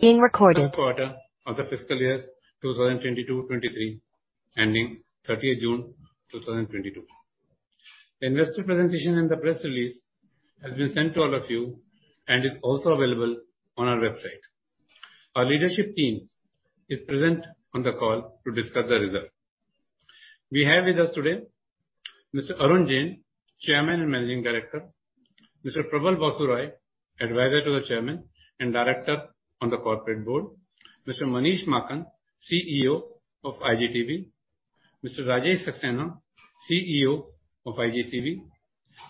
being recorded for the quarter of the fiscal year 2022-2023, ending 30th June 2022. The investor presentation and the press release has been sent to all of you, and it's also available on our website. Our leadership team is present on the call to discuss the result. We have with us today Mr. Arun Jain, Chairman and Managing Director. Mr. Prabal Basu Roy, Advisor to the Chairman and Director on the Corporate Board. Mr. Manish Makkan, CEO of iGTB. Mr. Rajesh Saxena, CEO of iGCB.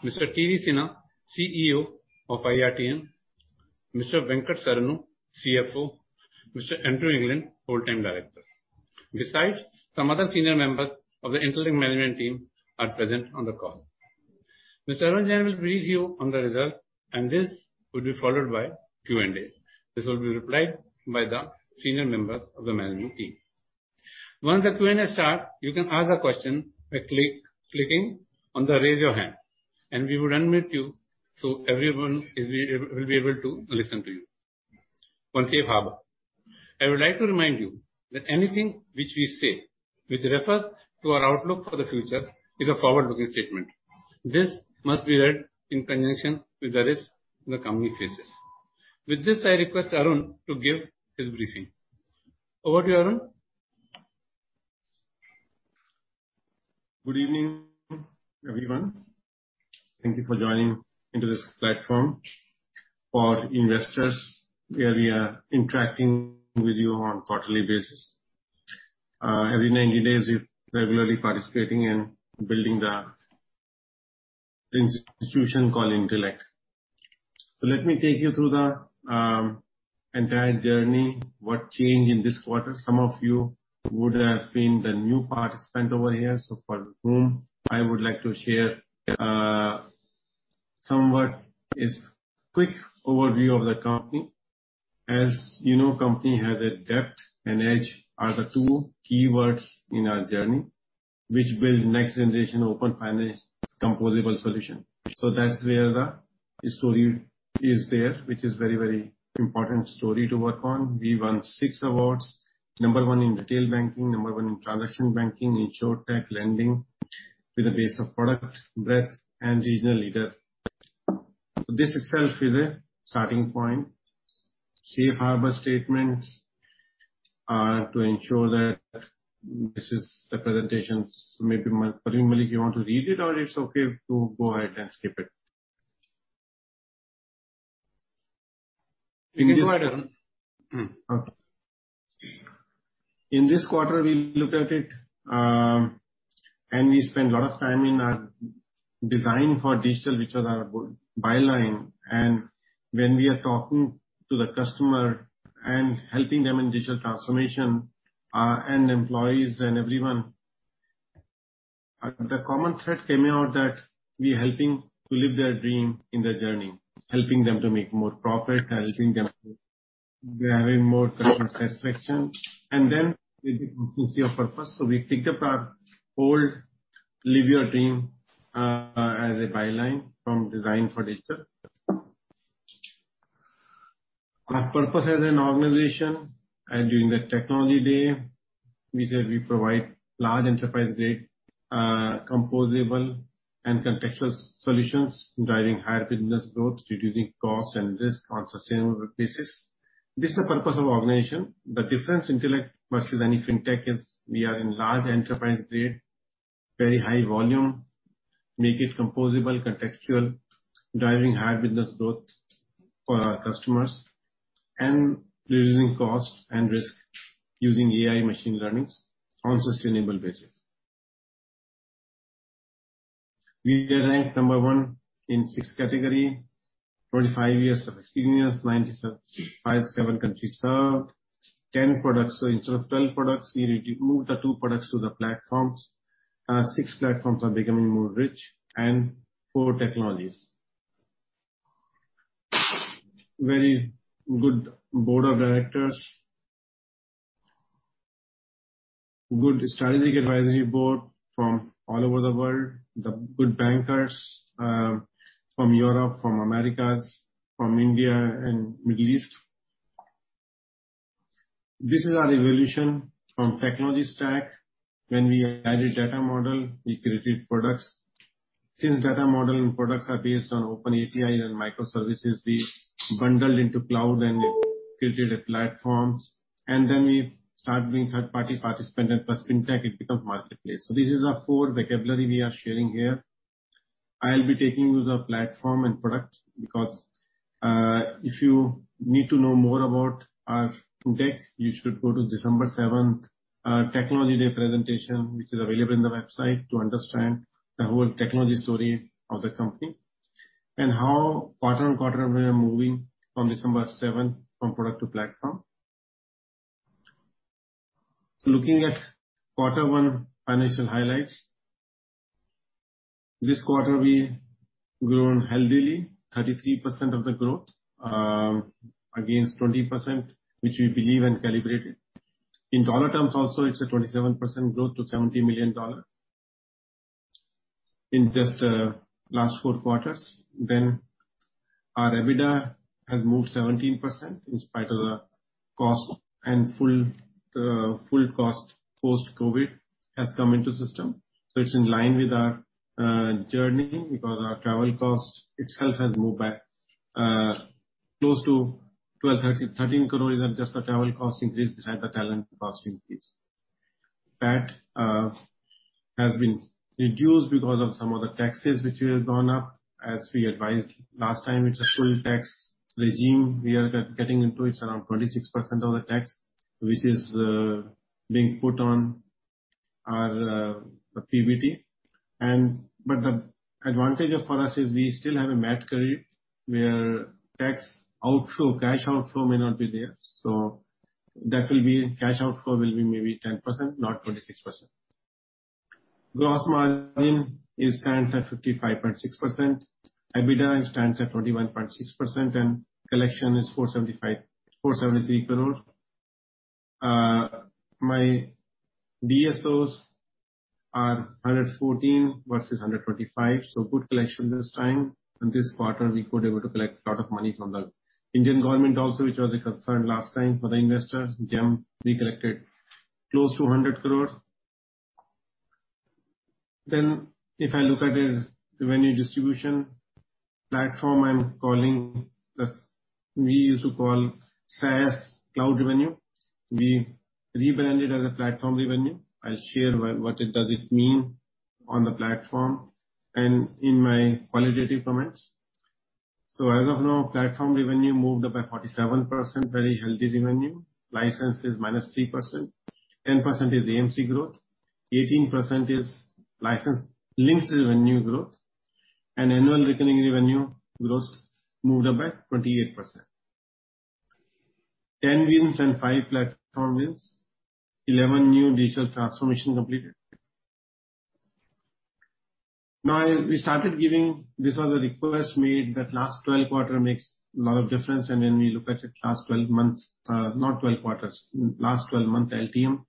Mr. T.V. Sinha, CEO of iRTM. Mr. Venkateswarlu Saranu, CFO. Mr. Andrew England, full-time Director. Besides, some other senior members of the Intellect management team are present on the call. Mr. Arun Jain will brief you on the result, and this will be followed by Q&A. This will be replied by the senior members of the management team. Once the Q&A starts, you can ask the question by clicking on the Raise Your Hand, and we will admit you so everyone will be able to listen to you. I would like to remind you that anything which we say which refers to our outlook for the future is a forward-looking statement. This must be read in conjunction with the risks the company faces. With this, I request Arun to give his briefing. Over to you, Arun. Good evening, everyone. Thank you for joining into this platform for investors where we are interacting with you on quarterly basis. As in 90 days, we're regularly participating in building the institution called Intellect. Let me take you through the entire journey, what changed in this quarter. Some of you would have been the new participant over here, so for whom I would like to share somewhat is quick overview of the company. As you know, company has a depth and edge are the two keywords in our journey, which build next generation open finance composable solution. That's where the story is there, which is very, very important story to work on. We won six awards, number one in retail banking, number one in transaction banking, insurtech lending with a base of product breadth and regional leader. This itself is a starting point. Safe Harbor statements are to ensure that this is the presentation. Maybe, Praveen Malik, you want to read it or it's okay to go ahead and skip it. You can go ahead, Arun. Okay. In this quarter, we looked at it, and we spent a lot of time in our design for digital, which was our byline. When we are talking to the customer and helping them in digital transformation, and employees and everyone, the common thread came out that we helping to live their dream in their journey, helping them to make more profit, helping them to be having more customer satisfaction. Then we become sincere purpose. We picked up our old Live Your Dream, as a byline from design for digital. Our purpose as an organization and during the technology day, we said we provide large enterprise-grade, composable and contextual solutions, driving higher business growth, reducing cost and risk on sustainable basis. This is the purpose of organization. The difference Intellect versus any fintech is we are in large enterprise grade, very high volume, make it composable, contextual, driving high business growth for our customers and reducing cost and risk using AI machine learning on sustainable basis. We are ranked number one in six categories, 45 years of experience, 97 countries served, 10 products. Instead of 12 products, we moved the two products to the platforms. Six platforms are becoming more rich and four technologies. Very good board of directors. Good strategic advisory board from all over the world. Good bankers from Europe, from Americas, from India and Middle East. This is our evolution from technology stack. When we added data model, we created products. Since data model and products are based on OpenAPI and microservices, we bundled into cloud and created a platforms. We start being third-party participant and plus fintech, it becomes marketplace. This is our core vocabulary we are sharing here. I'll be taking you the platform and product because if you need to know more about our tech, you should go to December seventh, our technology day presentation, which is available in the website to understand the whole technology story of the company and how quarter and quarter we are moving from December seventh from product to platform. Looking at quarter one financial highlights. This quarter we grown healthily, 33% of the growth against 20%, which we believe and calibrated. In dollar terms also, it's a 27% growth to $70 million. In just last four quarters. Our EBITDA has moved 17% in spite of the cost and full cost post-COVID has come into system. It's in line with our journey because our travel cost itself has moved back close to 12- 13 crore and just the travel cost increase besides the talent cost increase. PAT has been reduced because of some of the taxes which have gone up. As we advised last time, it's a surtax regime we are getting into. It's around 26% of the tax which is being put on our PBT. The advantage for us is we still have a MAT credit where tax outflow, cash outflow may not be there. That will be cash outflow will be maybe 10%, not 26%. Gross margin stands at 55.6%. EBITDA stands at 41.6%, and collection is 473 crore. My DSOs are 114 versus 125, so good collection this time. In this quarter, we could able to collect a lot of money from the Indian government also, which was a concern last time for the investors. GeM, we collected close to 100 crore. If I look at the revenue distribution platform, I'm calling this we used to call SaaS cloud revenue. We rebranded as a platform revenue. I'll share what it does it mean on the platform and in my qualitative comments. As of now, platform revenue moved up by 47%. Very healthy revenue. License is minus 3%. 10% is AMC growth. 18% is license links revenue growth. And annual recurring revenue growth moved up by 28%. 10 wins and five platform wins. 11 new digital transformation completed. Now, we started giving. This was a request made that last 12 quarters makes a lot of difference, and then we look at it last 12 months, not 12 quarters. Last 12 months, LTM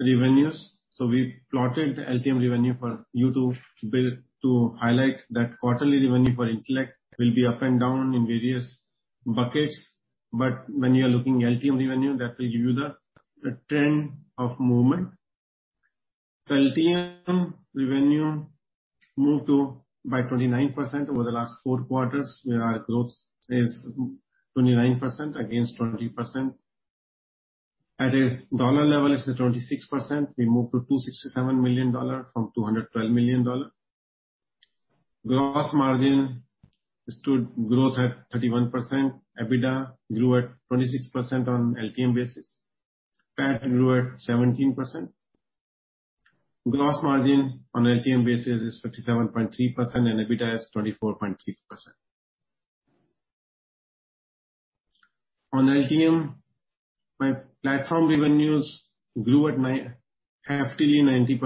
revenues. We plotted LTM revenue for you to highlight that quarterly revenue for Intellect will be up and down in various buckets. When you are looking LTM revenue, that will give you the trend of movement. LTM revenue moved by 29% over the last four quarters. We are close is 29% against 20%. At a dollar level, it's at 26%. We moved to $267 million from $212 million. Gross margin stood growth at 31%. EBITDA grew at 26% on LTM basis. PAT grew at 17%. Gross margin on LTM basis is 57.3%, and EBITDA is 24.3%. On LTM, my platform revenues grew at heftily 90%,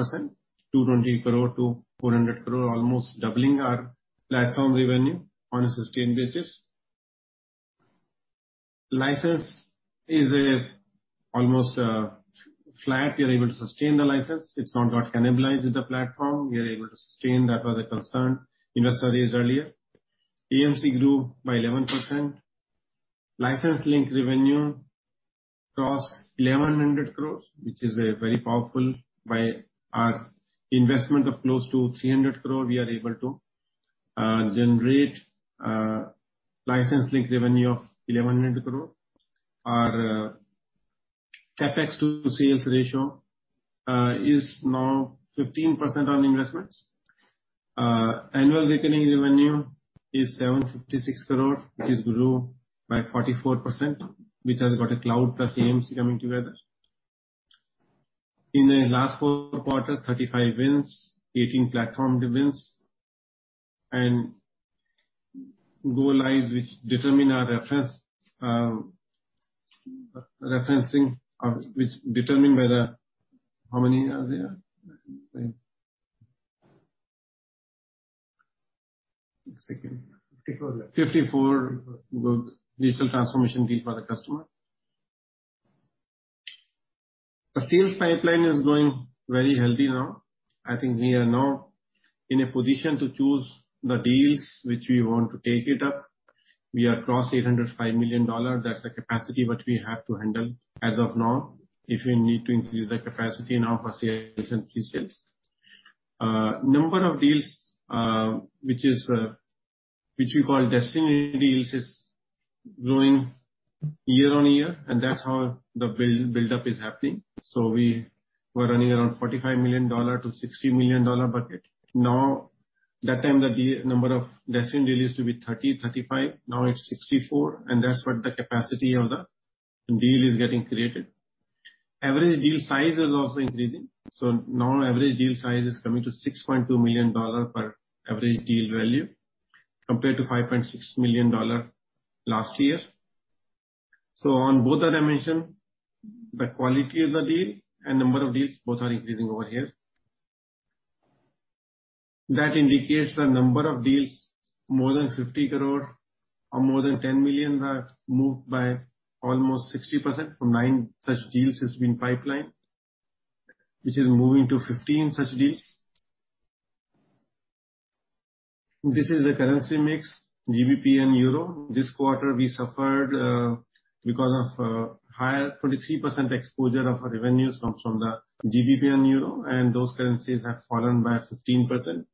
220 crore-400 crore, almost doubling our platform revenue on a sustained basis. License is almost flat. We are able to sustain the license. It's not got cannibalized with the platform. We are able to sustain. That was a concern investor raised earlier. AMC grew by 11%. License link revenue crossed 1,100 crore, which is very powerful. By our investment of close to 300 crore, we are able to generate license link revenue of 1,100 crore. Our CapEx to sales ratio is now 15% on investments. Annual recurring revenue is 756 crore, which has grown by 44%, which has got a cloud plus AMC coming together. In the last four quarters, 35 wins, 18 platform wins. Go-lives which determine our referencing, which determine how many are there? 54 left. 54 digital transformation deals for the customer. The sales pipeline is going very healthy now. I think we are now in a position to choose the deals which we want to take it up. We are across $805 million. That's the capacity which we have to handle as of now. If we need to increase the capacity now for sales and key sales. Number of deals, which is, which we call destiny deals, is growing year on year, and that's how the build-up is happening. We were running around $45 million-$60 million budget. Now, that time the number of destiny deals used to be 30, 35. Now it's 64, and that's what the capacity of the deal is getting created. Average deal size is also increasing. Now average deal size is coming to $6.2 million per average deal value compared to $5.6 million last year. On both dimensions, the quality of the deal and number of deals, both are increasing over here. That indicates the number of deals more than 50 crore or more than $10 million have moved by almost 60% from nine such deals has been pipelined, which is moving to 15 such deals. This is a currency mix, GBP and euro. This quarter, we suffered because of higher 23% exposure of our revenues comes from the GBP and euro, and those currencies have fallen by 15%.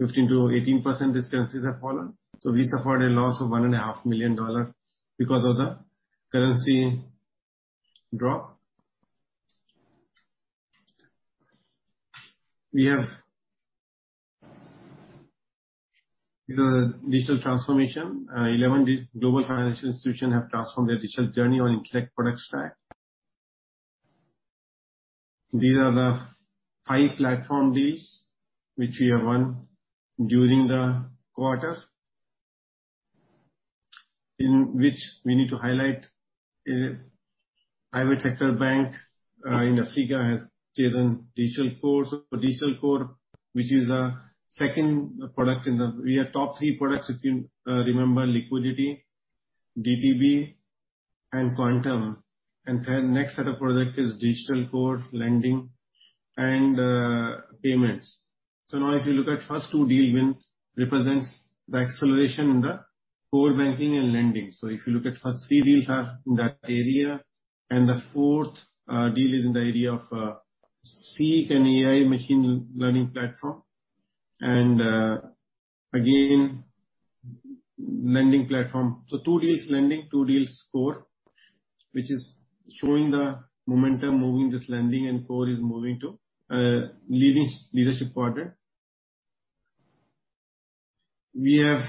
15%-18%, these currencies have fallen. We suffered a loss of $1.5 million because of the currency drop. We have... Because of digital transformation, 11 global financial institutions have transformed their digital journey on Intellect product stack. These are the five platform deals which we have won during the quarter. In which we need to highlight a private sector bank in Africa has taken Digital Core, so Digital Core, which is our second product. We have top three products, if you remember liquidity, iGTB and Quantum. Then next set of product is Digital Core, lending and payments. If you look at first two deal win, represents the acceleration in the core banking and lending. If you look at first three deals are in that area, and the fourth deal is in the area of SEEC and AI machine learning platform. Again, lending platform. Two deals lending, two deals core, which is showing the momentum moving this lending and core is moving to leadership quadrant. We have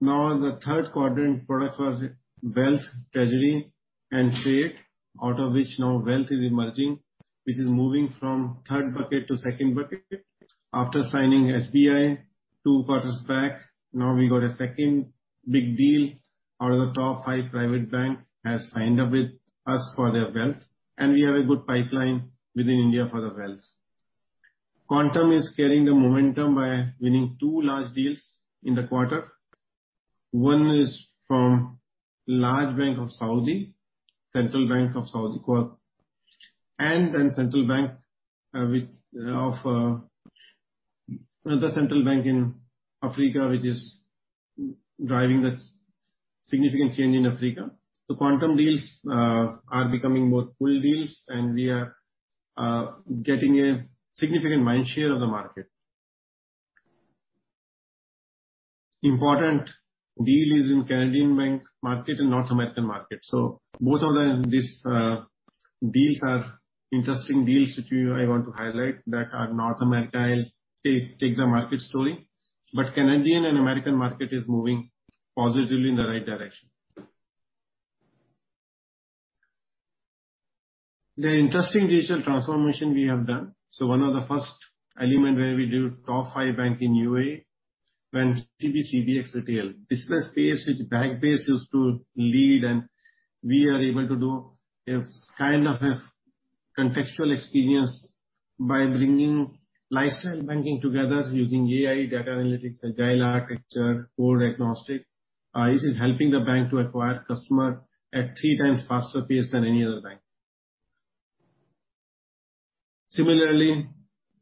now the third quadrant product was wealth, treasury and trade, out of which now wealth is emerging. Which is moving from third bucket to second bucket. After signing SBI two quarters back, now we got a second big deal. One of the top five private bank has signed up with us for their wealth, and we have a good pipeline within India for the wealth. Quantum is carrying the momentum by winning two large deals in the quarter. One is from large bank of Saudi Central Bank. Another central bank in Africa, which is driving the significant change in Africa. Quantum deals are becoming more pool deals and we are getting a significant mind share of the market. Important deal is in Canadian bank market and North American market. Both of the this deals are interesting deals which we I want to highlight that are North America. I'll take the market story. Canadian and American market is moving positively in the right direction. The interesting digital transformation we have done. One of the first element where we do top five bank in UAE went CBX Retail. This was space which bank base used to lead and we are able to do a kind of a contextual experience by bringing lifestyle banking together using AI data analytics, agile architecture, code agnostic. This is helping the bank to acquire customer at 3x faster pace than any other bank. Similarly,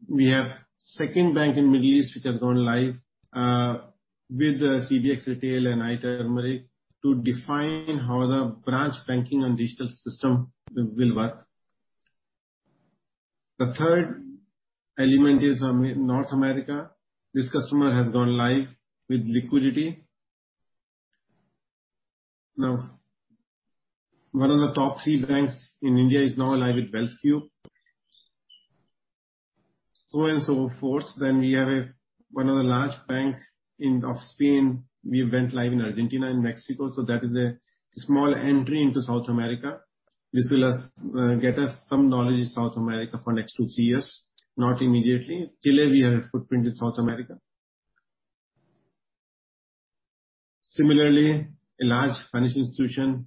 we have second bank in Middle East which has gone live with CBX Retail and iTurmeric to define how the branch banking and digital system will work. The third element is North America. This customer has gone live with liquidity. Now, one of the top three banks in India is now live with Wealth Qube. On and so forth. We have one of the large bank in of Spain. We went live in Argentina and Mexico, so that is a small entry into South America. This will get us some knowledge in South America for next two, three years, not immediately. Till then we have a footprint in South America. Similarly, a large financial institution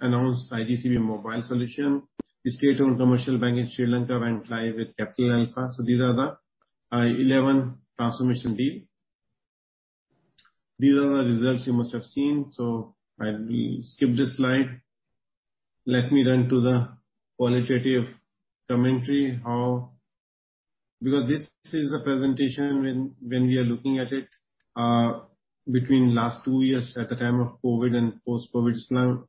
announced iGCB mobile solution. The state-owned commercial bank in Sri Lanka went live with Capital Alpha. These are the 11 transformation deal. These are the results you must have seen. I will skip this slide. Let me run to the qualitative commentary. Because this is a presentation when we are looking at it between last two years at the time of COVID and post-COVID. It's now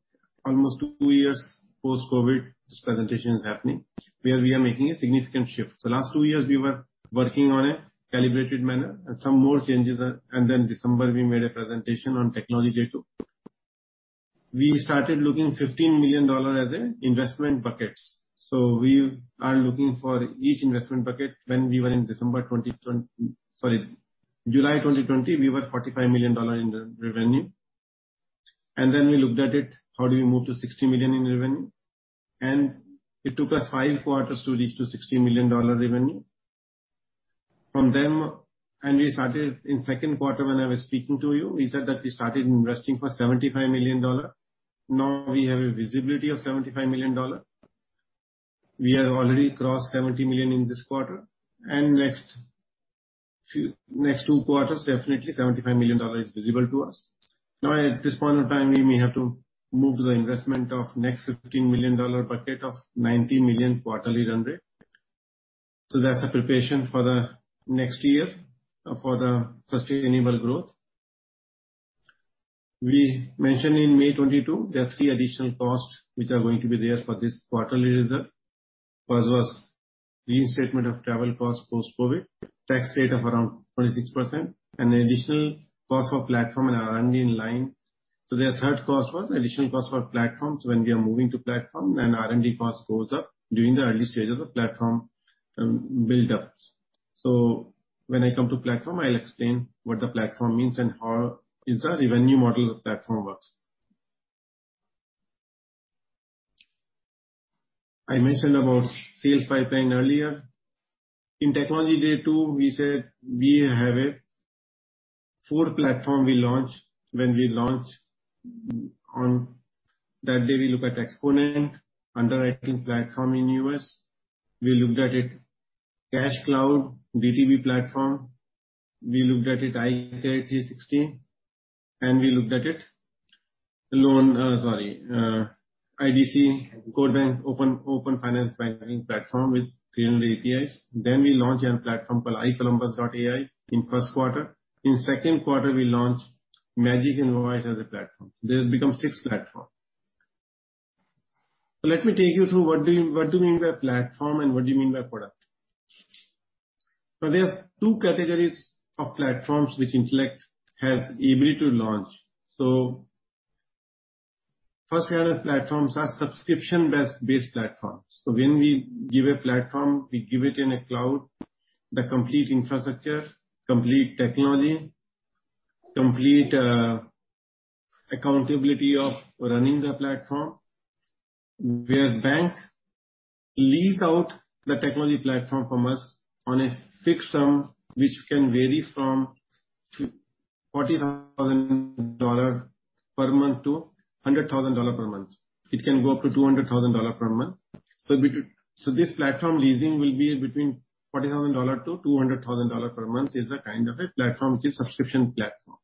almost two years post-COVID, this presentation is happening, where we are making a significant shift. Last two years, we were working on a calibrated manner and some more changes are. December, we made a presentation on technology day too. We started looking $15 million as a investment buckets. We are looking for each investment bucket. When we were in July 2020, we were $45 million in the revenue. Then we looked at it, how do we move to $60 million in revenue? It took us five quarters to reach $60 million revenue. From then, we started in second quarter when I was speaking to you. We said that we started investing for $75 million. Now we have a visibility of $75 million. We have already crossed $70 million in this quarter, and next two quarters, definitely $75 million is visible to us. Now, at this point in time, we may have to move the investment of next $15 million bucket of $90 million quarterly run rate. That's a preparation for the next year for the sustainable growth. We mentioned in May 2022, there are three additional costs which are going to be there for this quarterly result. First was reinstatement of travel costs post-COVID, tax rate of around 26%, and the additional cost for platform and R&D in line. The third cost was additional cost for platforms when we are moving to platform, and R&D cost goes up during the early stages of platform build-up. When I come to platform, I'll explain what the platform means and how is our revenue model of platform works. I mentioned about sales pipeline earlier. In Technology Day too, we said we have four platforms we launched. When we launched on that day, we looked at Xponent underwriting platform in the U.S. We looked at it, Cash Cloud, DTV platform. We looked at it, iCredit 360, and we looked at it. IDC Global Banking open finance banking platform with Green APIs. Then we launched our platform called iColumbus.ai in first quarter. In second quarter, we launched Magic Invoice as a platform. They'll become six platforms. Let me take you through what do you mean by platform and what do you mean by product. There are two categories of platforms which Intellect has ability to launch. First we have platforms are subscription-based platforms. When we give a platform, we give it in a cloud, the complete infrastructure, complete technology, complete accountability of running the platform, where bank lease out the technology platform from us on a fixed sum which can vary from $40,000 per month to $100,000 per month. It can go up to $200,000 per month. This platform leasing will be between $40,000 to $200,000 per month is a kind of a platform, which is subscription platform.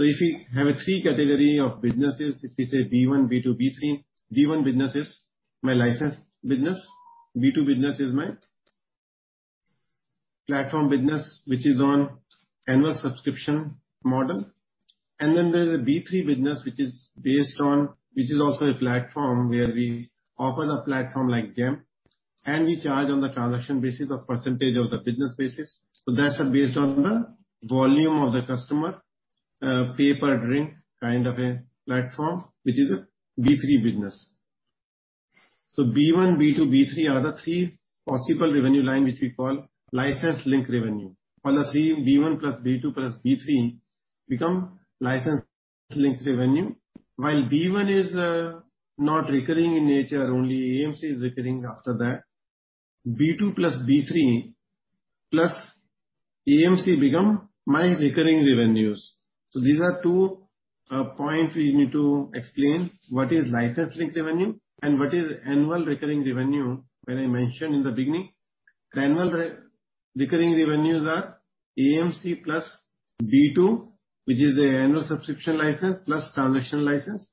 If you have three categories of businesses, if we say B one, B two, B three. B one business is my license business. B two business is my platform business, which is on annual subscription model. There's a B three business, which is also a platform where we offer the platform like GeM, and we charge on the transaction basis of percentage of the business basis. That's based on the volume of the customer, pay-per-use kind of a platform, which is a B three business. B one, B two, B three are the three possible revenue lines which we call license-linked revenue. All three, B one plus B two plus B three become license-linked revenue. While B one is not recurring in nature, only AMC is recurring after that. B2 plus B3 plus AMC become my recurring revenues. These are two points we need to explain what is license-linked revenue and what is annual recurring revenue when I mentioned in the beginning. The annual recurring revenues are AMC plus B2, which is an annual subscription license plus transaction license.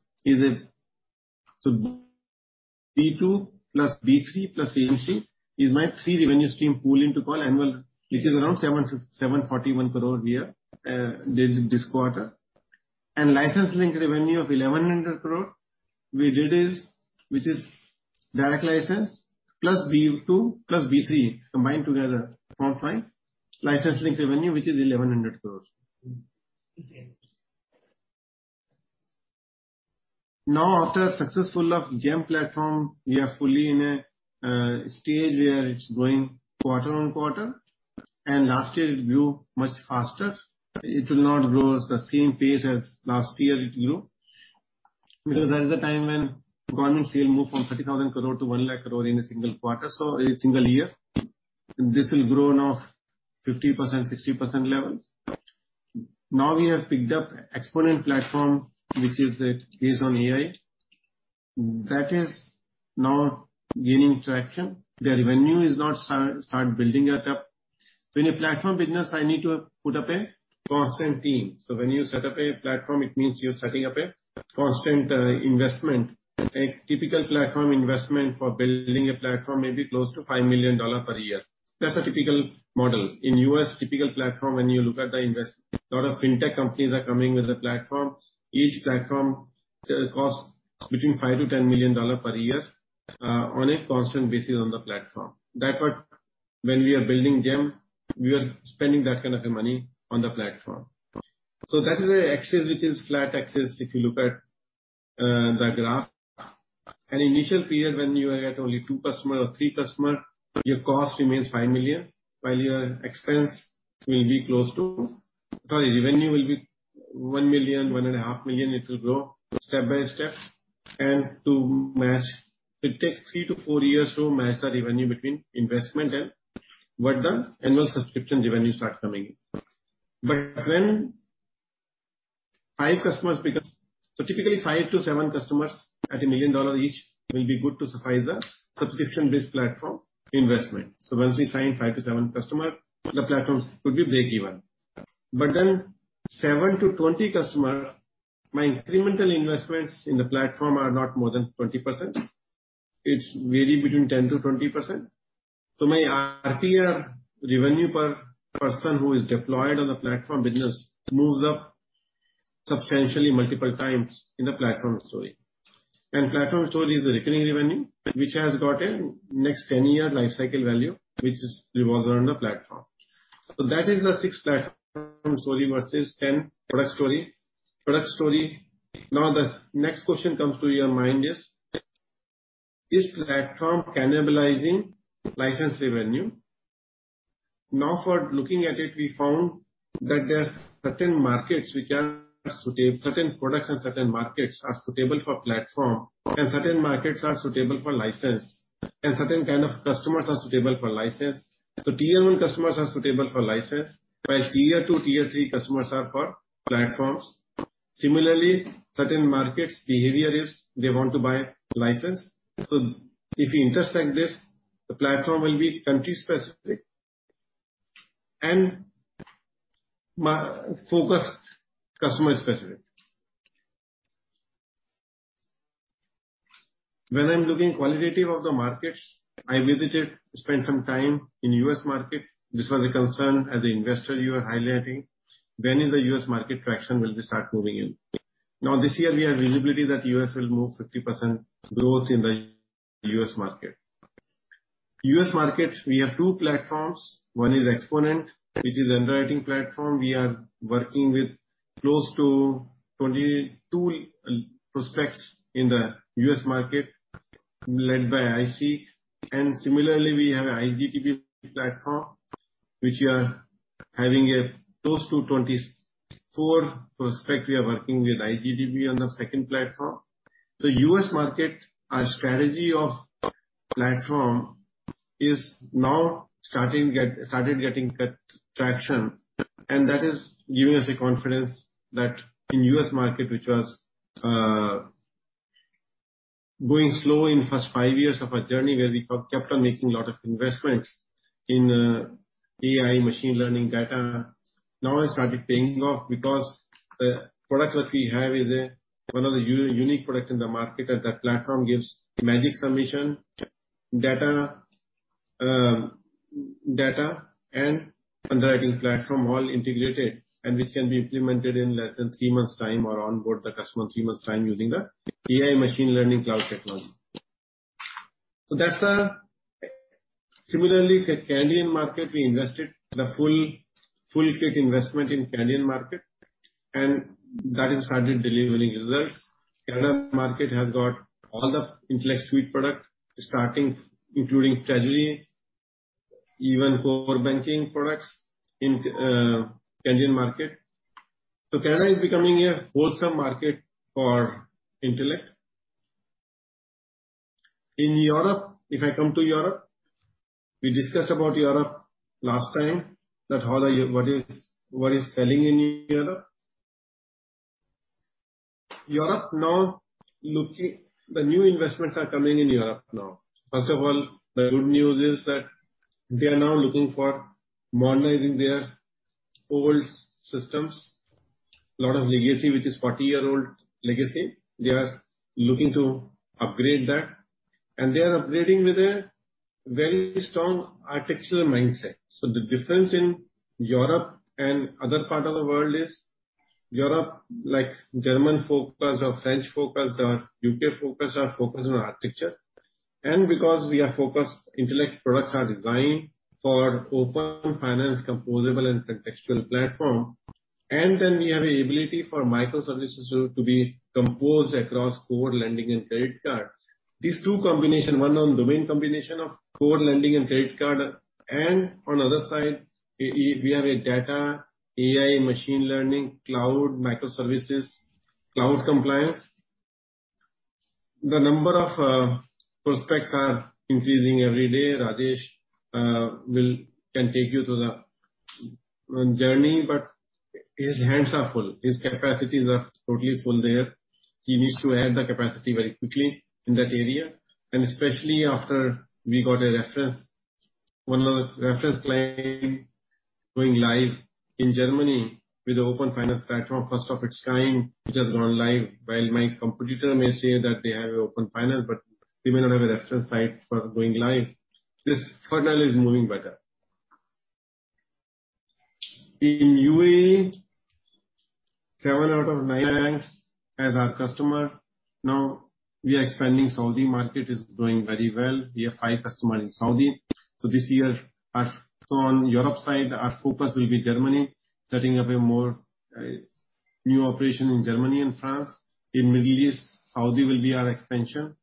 B2 plus B3 plus AMC is my three revenue stream pool into call annual, which is around 700-741 crore here during this quarter. License-linked revenue of 1,100 crore we did is, which is direct license plus B2 plus B3 combined together form my license-linked revenue, which is INR 1,100 crore. Now, after successful of GeM platform, we are fully in a stage where it's growing quarter on quarter, and last year it grew much faster. It will not grow at the same pace as last year it grew, because that's the time when government sale moved from 30,000 crore to 1 lakh crore in a single quarter, so in a single year. This will grow now 50%, 60% levels. Now we have picked up Xponent platform, which is based on AI. That is now gaining traction. The revenue is not starting to build it up. In a platform business, I need to put up a constant team. When you set up a platform, it means you're setting up a constant investment. A typical platform investment for building a platform may be close to $5 million per year. That's a typical model. In U.S., typical platform, when you look at the investment, lot of fintech companies are coming with a platform. Each platform costs between $5-$10 million per year on a constant basis on the platform. That's what, when we are building GeM, we are spending that kind of a money on the platform. That is an axis which is flat axis if you look at the graph. Initial period when you get only two customer or three customer, your cost remains $5 million, while your revenue will be $1 million, $1.5 million, it will grow step by step. To match, it takes three to four years to match the revenue between investment and what the annual subscription revenue start coming in. Typically five to seven customers at $1 million each will be good to suffice the subscription-based platform investment. Once we sign five to seven customers, the platform could be breakeven. 7-20 customers, my incremental investments in the platform are not more than 20%. It varies between 10%-20%. My RP or revenue per person who is deployed on the platform business moves up substantially multiple times in the platform story. Platform story is a recurring revenue which has got a next 10-year life cycle value which is revolved around the platform. That is the SaaS platform story versus license product story. Product story. The next question comes to your mind is platform cannibalizing license revenue? For looking at it, we found that there are certain markets which are suitable, certain products and certain markets are suitable for platform, and certain markets are suitable for license, and certain kind of customers are suitable for license. Tier 1 customers are suitable for license, while Tier 2, Tier 3 customers are for platforms. Similarly, certain markets behavior is they want to buy license. If you intersect this, the platform will be country-specific and MA-focused customer specific. When I'm looking qualitatively at the markets I visited, spent some time in U.S. market. This was a concern as an investor you are highlighting. When is the U.S. market traction will be start moving in? Now this year we have visibility that U.S. will move 50% growth in the U.S. market. U.S. market, we have two platforms. One is Xponent, which is underwriting platform. We are working with close to 22 prospects in the U.S. market led by IC. And similarly, we have iGCB platform, which we are having a close to 24 prospects. We are working with iGCB on the second platform. The U.S. market, our strategy of platform is now started getting that traction and that is giving us a confidence that in U.S. market, which was going slow in first five years of our journey, where we kept on making a lot of investments in AI, machine learning, data. Now it started paying off because the product that we have is one of the unique product in the market. And that platform gives Magic Submission, data and underwriting platform all integrated and which can be implemented in less than three months' time or onboard the customer in three months' time using the AI machine learning cloud technology. That's. Similarly, Canadian market, we invested the full kit investment in Canadian market and that has started delivering results. Canada market has got all the Intellect suite product starting including Trelli, even core banking products in Canadian market. Canada is becoming a wholesome market for Intellect. In Europe, if I come to Europe, we discussed about Europe last time, what is selling in Europe. Europe now looking. The new investments are coming in Europe now. First of all, the good news is that they are now looking for modernizing their old systems. A lot of legacy, which is 40-year-old legacy. They are looking to upgrade that, and they are upgrading with a very strong architectural mindset. The difference in Europe and other part of the world is Europe, like German focus or French focus or UK focus, are focused on architecture. Because we are focused, Intellect products are designed for open finance, composable and contextual platform. We have an ability for microservices to be composed across core lending and credit card. These two combination, one domain combination of core lending and credit card, and on other side, we have data, AI, machine learning, cloud microservices, cloud compliance. The number of prospects are increasing every day. Rajesh can take you through the journey, but his hands are full. His capacities are totally full there. He needs to add the capacity very quickly in that area. Especially after we got a reference, one of the reference client going live in Germany with the open finance platform, first of its kind, which has gone live. While my competitor may say that they have an open finance, but they may not have a reference site for going live. This funnel is moving better. In UAE, seven out of nine banks are our customers. Now we are expanding. Saudi market is growing very well. We have five customers in Saudi. This year our focus will be on Europe side, Germany, setting up our new operation in Germany and France. In Middle East, Saudi will be our expansion.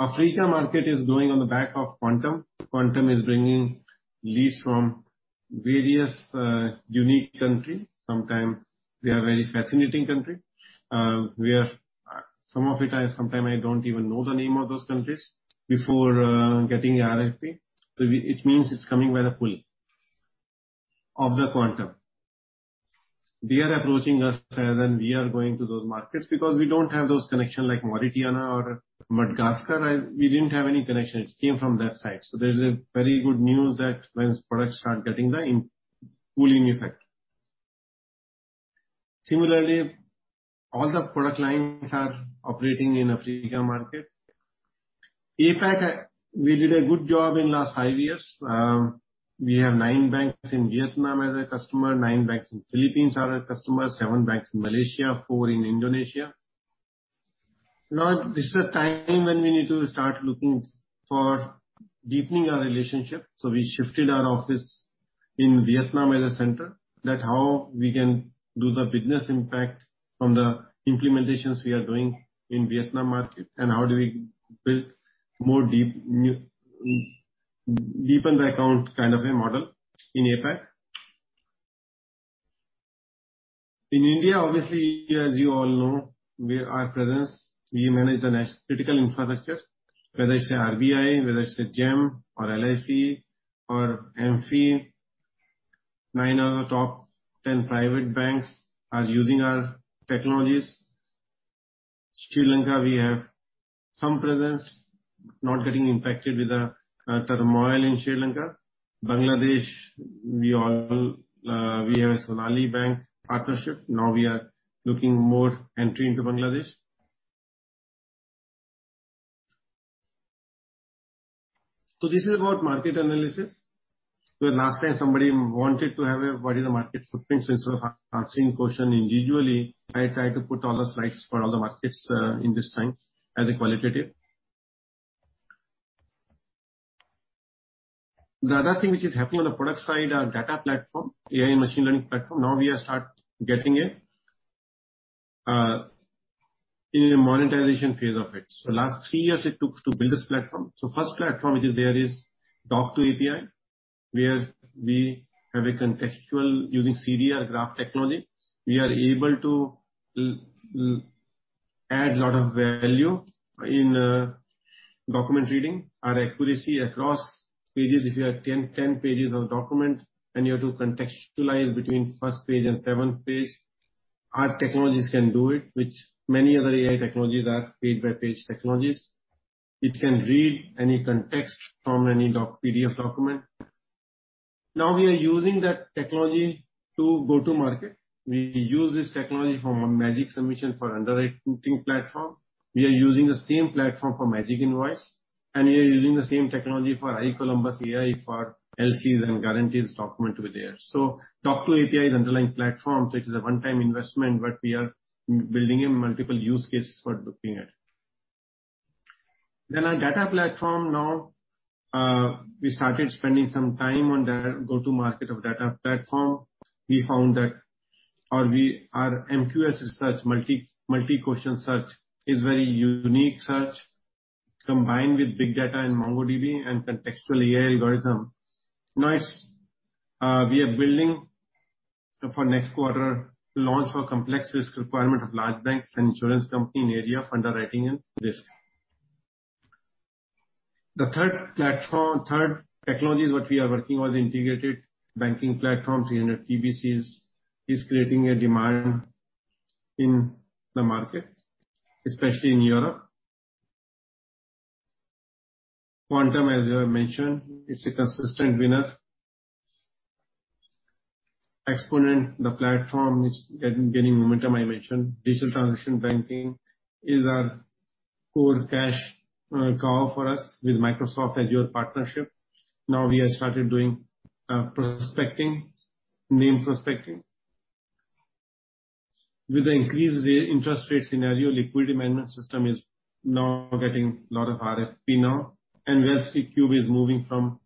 Africa market is growing on the back of Quantum. Quantum is bringing leads from various unique countries. Sometimes they are very fascinating countries. Some of them, I sometimes don't even know the name of those countries before getting RFP. It means it's coming by the pool of the Quantum. They are approaching us rather than we are going to those markets because we don't have those connections like Mauritania or Madagascar, we didn't have any connection. It came from that side. There's very good news that when products start getting the in-pool effect. Similarly, all the product lines are operating in African market. APAC, we did a good job in last five years. We have nine banks in Vietnam as customers, nine banks in Philippines are our customers, seven banks in Malaysia, four in Indonesia. This is a time when we need to start looking for deepening our relationship, so we shifted our office in Vietnam as a center. That's how we can do the business impact from the implementations we are doing in Vietnam market and how do we deepen the account kind of a model in APAC. In India, obviously, as you all know, our presence, we manage the national critical infrastructure, whether it's the RBI, whether it's the GeM or LIC or AMFI. Nine of the top ten private banks are using our technologies. Sri Lanka we have some presence, not getting impacted with the turmoil in Sri Lanka. Bangladesh, we have a Sonali Bank partnership. Now we are looking more entry into Bangladesh. This is about market analysis. Where last time somebody wanted to have a what is the market footprint, so instead of answering question individually, I try to put all the slides for all the markets in this time as a qualitative. The other thing which is happening on the product side, our data platform, AI machine learning platform. Now we have start getting it in a monetization phase of it. Last three years it took to build this platform. First platform which is there is Doc2API, where we have a contextual using CDR Graph Technology. We are able to add lot of value in document reading. Our accuracy across pages, if you have ten pages of document and you have to contextualize between first page and seventh page, our technologies can do it, which many other AI technologies are page-by-page technologies. It can read any context from any document PDF document. Now we are using that technology to go to market. We use this technology from our Magic Submission for underwriting platform. We are using the same platform for Magic Invoice, and we are using the same technology for iColumbus.ai for LCs and guarantees document over there. Doc2API is underlying platform, so it is a one-time investment, but we are building in multiple use cases for looking at. Our data platform now, we started spending some time on the go-to market of data platform. Our MQS search, multi-question search, is very unique search, combined with big data and MongoDB and contextual AI algorithm. Now we are building for next quarter launch for complex risk requirement of large banks and insurance company in area of underwriting and risk. The third platform, third technologies what we are working was integrated banking platforms, you know, TBCs, is creating a demand in the market, especially in Europe. Quantum, as I mentioned, it's a consistent winner. Xponent, the platform is gaining momentum, I mentioned. Digital transaction banking is our core cash cow for us with Microsoft Azure partnership. Now we have started doing prospecting, named prospecting. With the increased interest rate scenario, liquidity management system is now getting lot of RFP now. Risk Qube is moving from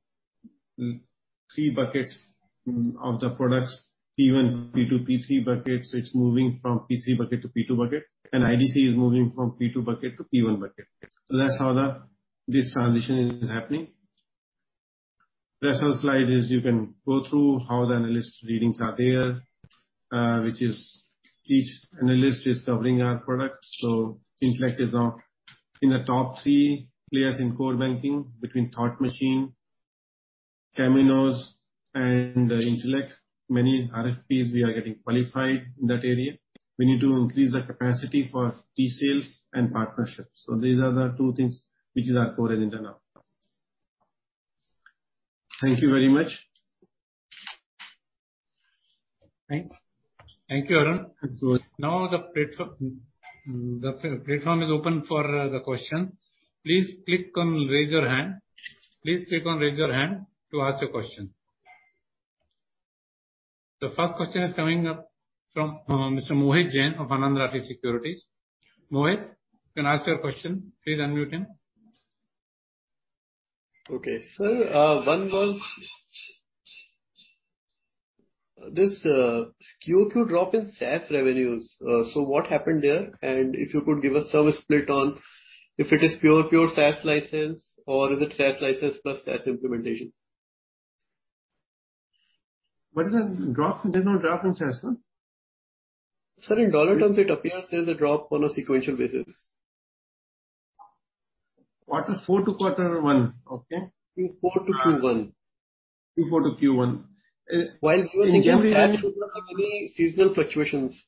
L3 buckets, most of the products, P1, P2, P3 buckets. It's moving from P3 bucket to P2 bucket, and IDC is moving from P2 bucket to P1 bucket. That's how this transition is happening. Rest of the slide is you can go through how the analyst ratings are there, which is each analyst is covering our products. Intellect is one of the top three players in core banking between Thought Machine, Temenos and Intellect. Many RFPs we are getting qualified in that area. We need to increase the capacity for direct sales and partnerships. These are the two things which is our core agenda now. Thank you very much. Thanks. Thank you, Arun. Thank you. Now the platform is open for the questions. Please click on Raise Your Hand. Please click on Raise Your Hand to ask your question. The first question is coming from Mr. Mohit Jain of Anand Rathi Securities. Mohit, you can ask your question. Please unmute him. Okay. Sir, one was this, Q2 drop in SaaS revenues. What happened there? If you could give a service split on if it is pure SaaS license or is it SaaS license plus SaaS implementation? What is the drop? There's no drop in sales, no? Sir, in dollar terms, it appears there is a drop on a sequential basis. Quarter four to quarter one. Okay. Q4 to Q1. Q4 to Q1. Uh, in general- While giving GM, there should not be any seasonal fluctuations.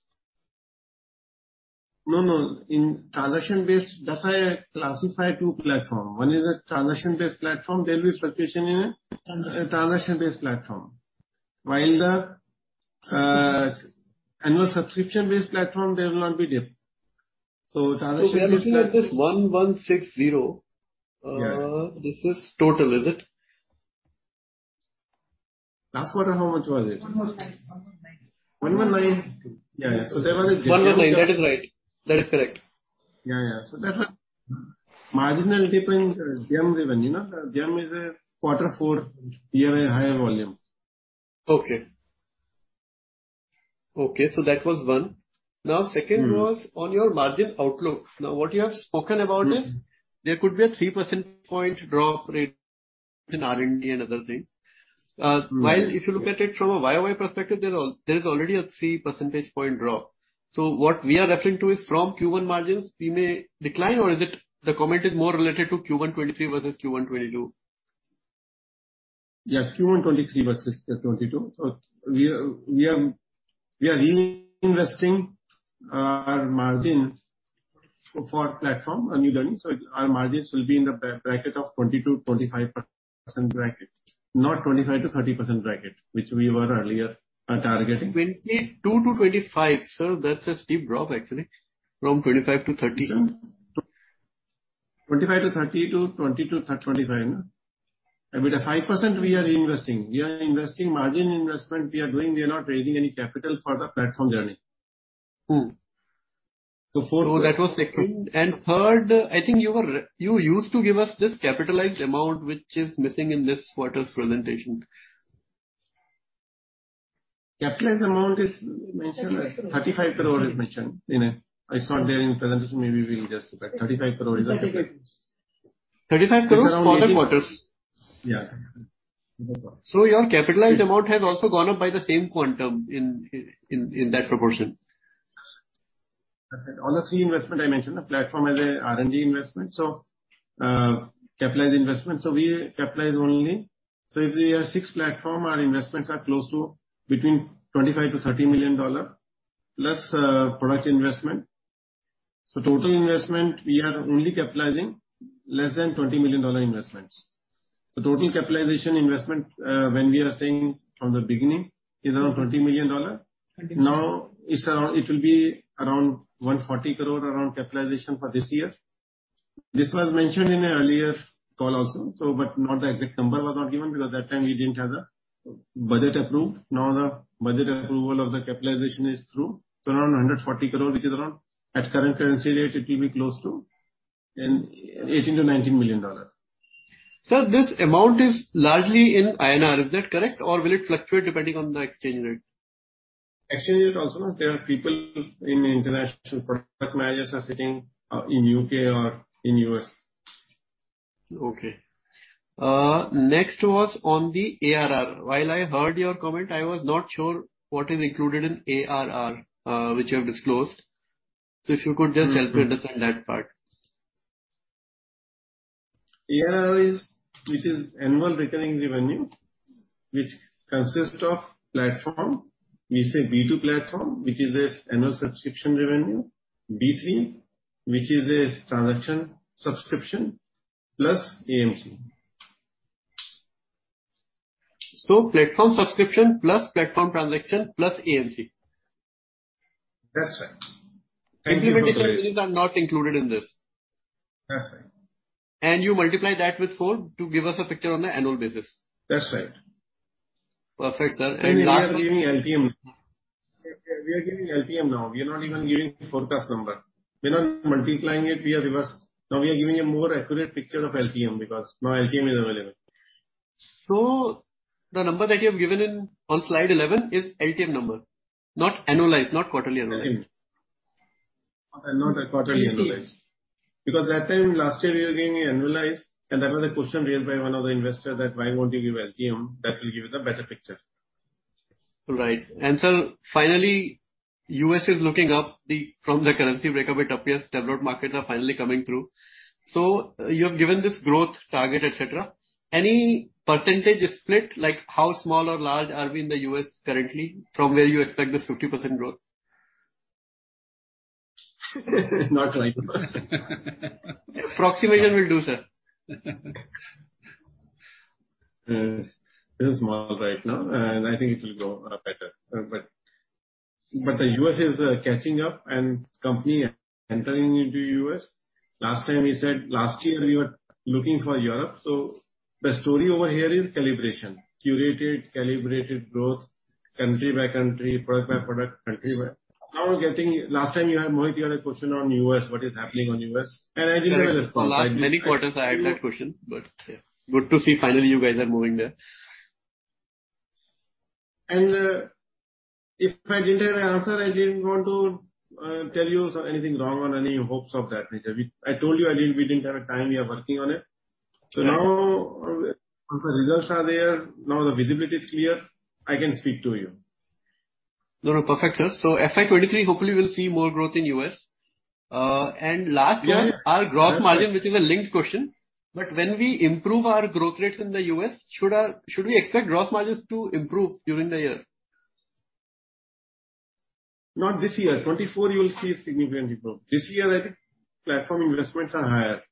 No, no. That's why I classify two platforms. One is a transaction-based platform. There will be fluctuation. Transaction a transaction-based platform. While the annual subscription-based platform, there will not be dip. transaction-based platform- We are looking at this 1,160. Yeah. This is total, is it? Last quarter, how much was it? One one nine. One one nine. 119. Yeah, yeah. There was a dip. 119. That is right. That is correct. Yeah, yeah. That was marginal dip in GM revenue, no? GM is quarter four, we have a higher volume. Okay, so that was one. Now, second was on your margin outlook. Now, what you have spoken about is there could be a 3 percentage point drop rate in R&D and other things. Mm-hmm. While if you look at it from a YoY perspective, there is already a three percentage point drop. What we are referring to is from Q1 margins, we may decline or is it the comment is more related to Q1 2023 versus Q1 2022? Q1 2023 versus 2022. We are reinvesting our margin for platform and new journey. Our margins will be in the bracket of 20%-25% bracket, not 25%-30% bracket, which we were earlier targeting. 22-25. Sir, that's a steep drop actually, from 25-30. Yeah. 25 to 30 to 20 to 25, no? About a high % we are reinvesting. We are investing margin investment we are doing, we are not raising any capital for the platform journey. Mm. So for- That was second. Third, I think you used to give us this capitalized amount which is missing in this quarter's presentation. Capitalized amount is mentioned. 35 crore. INR 35 crore is mentioned in it. It's not there in presentation. Maybe we'll just look at 35 crore is the capitalized. 35 crores for the quarters? Yeah. Your capitalized amount has also gone up by the same quantum in that proportion. That's it. All the three investments I mentioned, the platform has a R&D investment. Capitalized investment. We capitalize only. If we have six platforms, our investments are close to between $25-$30 million, plus, product investment. Total investment, we are only capitalizing less than $20 million investments. The total capitalization investment, when we are saying from the beginning, is around $20 million. INR 20 million. It will be around 140 crore for capitalization this year. This was mentioned in the earlier call also, but the exact number was not given because at that time we didn't have the budget approved. Now the budget approval of the capitalization is through. Around 140 crore, which is around, at current currency rate, it will be close to $18 million-$19 million. Sir, this amount is largely in INR. Is that correct? Or will it fluctuate depending on the exchange rate? Exchange rate also, no. There are people in international. Product managers are sitting in U.K. or in U.S.. Okay. Next was on the ARR. While I heard your comment, I was not sure what is included in ARR, which you have disclosed. If you could just help me understand that part. ARR, which is annual recurring revenue, consists of platform. We say B2 platform, which is an annual subscription revenue, B3, which is a transaction subscription, plus AMC. Platform subscription plus platform transaction plus AMC. That's right. Thank you so very- Implementation fees are not included in this. That's right. You multiply that with four to give us a picture on the annual basis. That's right. Perfect, sir. We are giving LTM. We are giving LTM now. We are not even giving forecast number. We're not multiplying it via reverse. Now we are giving a more accurate picture of LTM because now LTM is available. The number that you have given, on slide 11 is LTM number, not annualized, not quarterly annualized. Not a quarterly annualized. AP. Because that time last year we were giving annualized, and there was a question raised by one of the investor that, "Why won't you give LTM? That will give you the better picture. Right. Sir, finally, U.S. is looking up. From the currency breakdown, it appears developed markets are finally coming through. You have given this growth target, et cetera. Any percentage split, like how small or large are we in the U.S. currently from where you expect this 50% growth? Not right now. Approximation will do, sir. It is small right now, and I think it will grow better. The U.S. is catching up and company entering into U.S. Last time we said last year we were looking for Europe. The story over here is calibration. Curated, calibrated growth, country by country, product by product. Now we're getting. Last time you had, Mohit, a question on U.S., what is happening on U.S., and I didn't have a response. The last many quarters I had that question, but yeah, good to see finally you guys are moving there. If I didn't have an answer, I didn't want to tell you something wrong or anything of that nature. I told you we didn't have a timeline, we are working on it. Right. Now, once the results are there, now the visibility is clear, I can speak to you. No, no, perfect, sir. FY23, hopefully we'll see more growth in U.S. Yes. Our growth margin, which is a linked question, but when we improve our growth rates in the U.S., should we expect growth margins to improve during the year? Not this year. 2024, you will see a significant improvement. This year, I think platform investments are higher. Okay.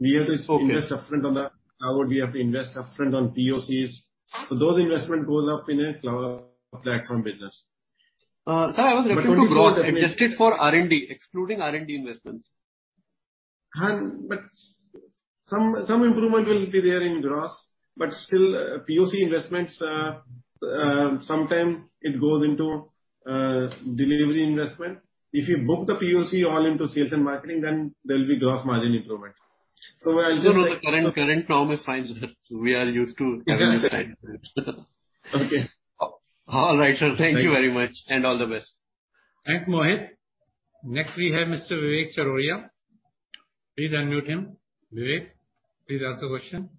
We have to invest upfront on the cloud, we have to invest upfront on POCs. Those investment goes up in a cloud platform business. Sir, I was referring to growth adjusted for R&D, excluding R&D investments. Some improvement will be there in gross, but still, POC investments, sometimes it goes into delivery investment. If you book the POC all into sales and marketing, then there will be gross margin improvement. I'll just say. No, no. The current problem is fine, sir. We are used to having this kind of Okay. All right, sir. Thank you very much, and all the best. Thanks, Mohit. Next, we have Mr. Vivek Charoria. Please unmute him. Vivek, please ask the question.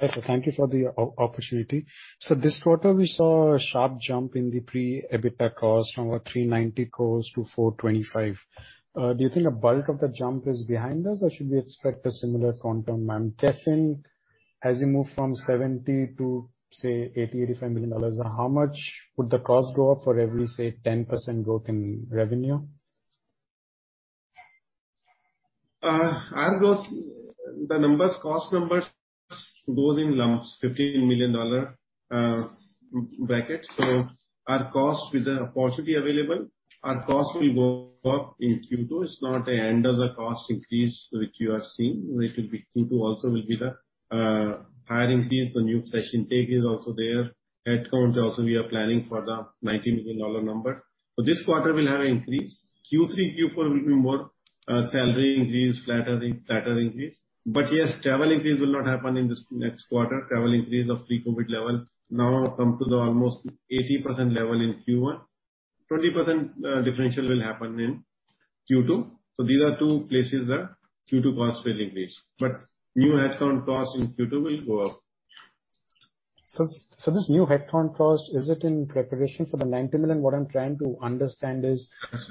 Hi, sir. Thank you for the opportunity. This quarter we saw a sharp jump in the pre-EBITDA cost from 390 crore to 425 crore. Do you think a bulk of the jump is behind us, or should we expect a similar quantum escalation as we move from $70 million to, say, $80-$85 million? How much would the cost go up for every, say, 10% growth in revenue? As growth, the numbers, cost numbers go in lumps, $15 million brackets. Our cost with the opportunity available, our cost will go up in Q2. It's not the end of the cost increase which you are seeing. It will be Q2 also will be the higher increase. The new fresh intake is also there. Headcount also we are planning for the $90 million number. This quarter will have an increase. Q3, Q4 will be more salary increase, flatter increase. Yes, travel increase will not happen in this next quarter. Travel increase of pre-COVID level now comes to the almost 80% level in Q1. 20% differential will happen in Q2. These are two places the Q2 costs will increase. New headcount costs in Q2 will go up. this new headcount cost, is it in preparation for the 90 million? What I'm trying to understand is Yes.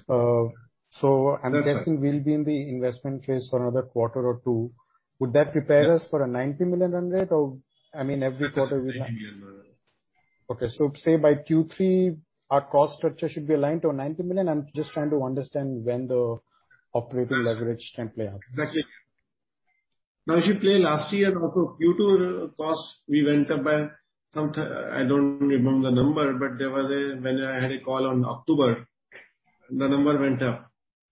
I'm guessing. That's it. We'll be in the investment phase for another quarter or two. Yes. Would that prepare us for 90 million run rate or, I mean, every quarter we- Yes. INR 90 million run rate. Okay. Say by Q3 our cost structure should be aligned to 90 million. I'm just trying to understand when the operating leverage can play out. Exactly. Now, if you play last year also, Q2 costs, we went up by some. I don't remember the number, but there was. When I had a call on October, the number went up.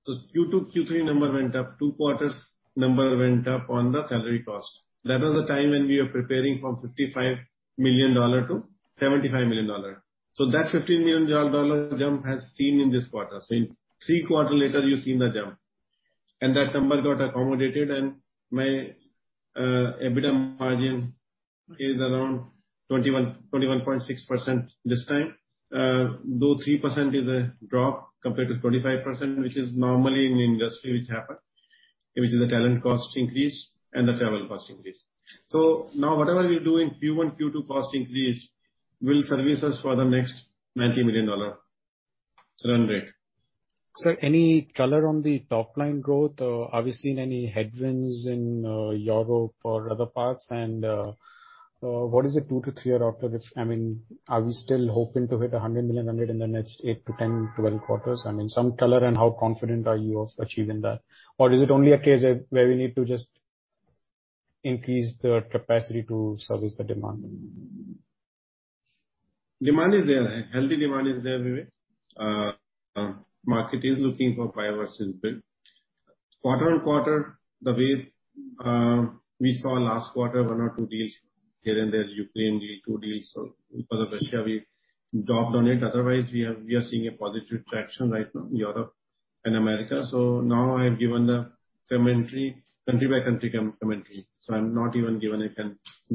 Q2, Q3 number went up. Two quarters number went up on the salary cost. That was the time when we were preparing from $55 million to $75 million. That $15 million dollar jump has seen in this quarter. In three quarter later, you've seen the jump. That number got accommodated and my EBITDA margin is around 21.6% this time. Though 3% is a drop compared to 25%, which is normally in industry which happen, which is the talent cost increase and the travel cost increase. Now whatever we do in Q1, Q2 cost increase will service us for the next $90 million run rate. Sir, any color on the top line growth or are we seeing any headwinds in Europe or other parts? What is the two to three year outlook? I mean, are we still hoping to hit an 100 million run rate in the next eight to 10, 12 quarters? I mean, some color, and how confident are you of achieving that? Or is it only a case that where we need to just increase the capacity to service the demand? Demand is there. Healthy demand is there, Vivek. Market is looking for privacy-built. Quarter-on-quarter, the way we saw last quarter one or two deals here and there, Ukraine deal, two deals. Because of Russia, we dropped on it. Otherwise, we are seeing a positive traction right now in Europe and America. Now I have given the commentary, country by country commentary. I'm not even giving a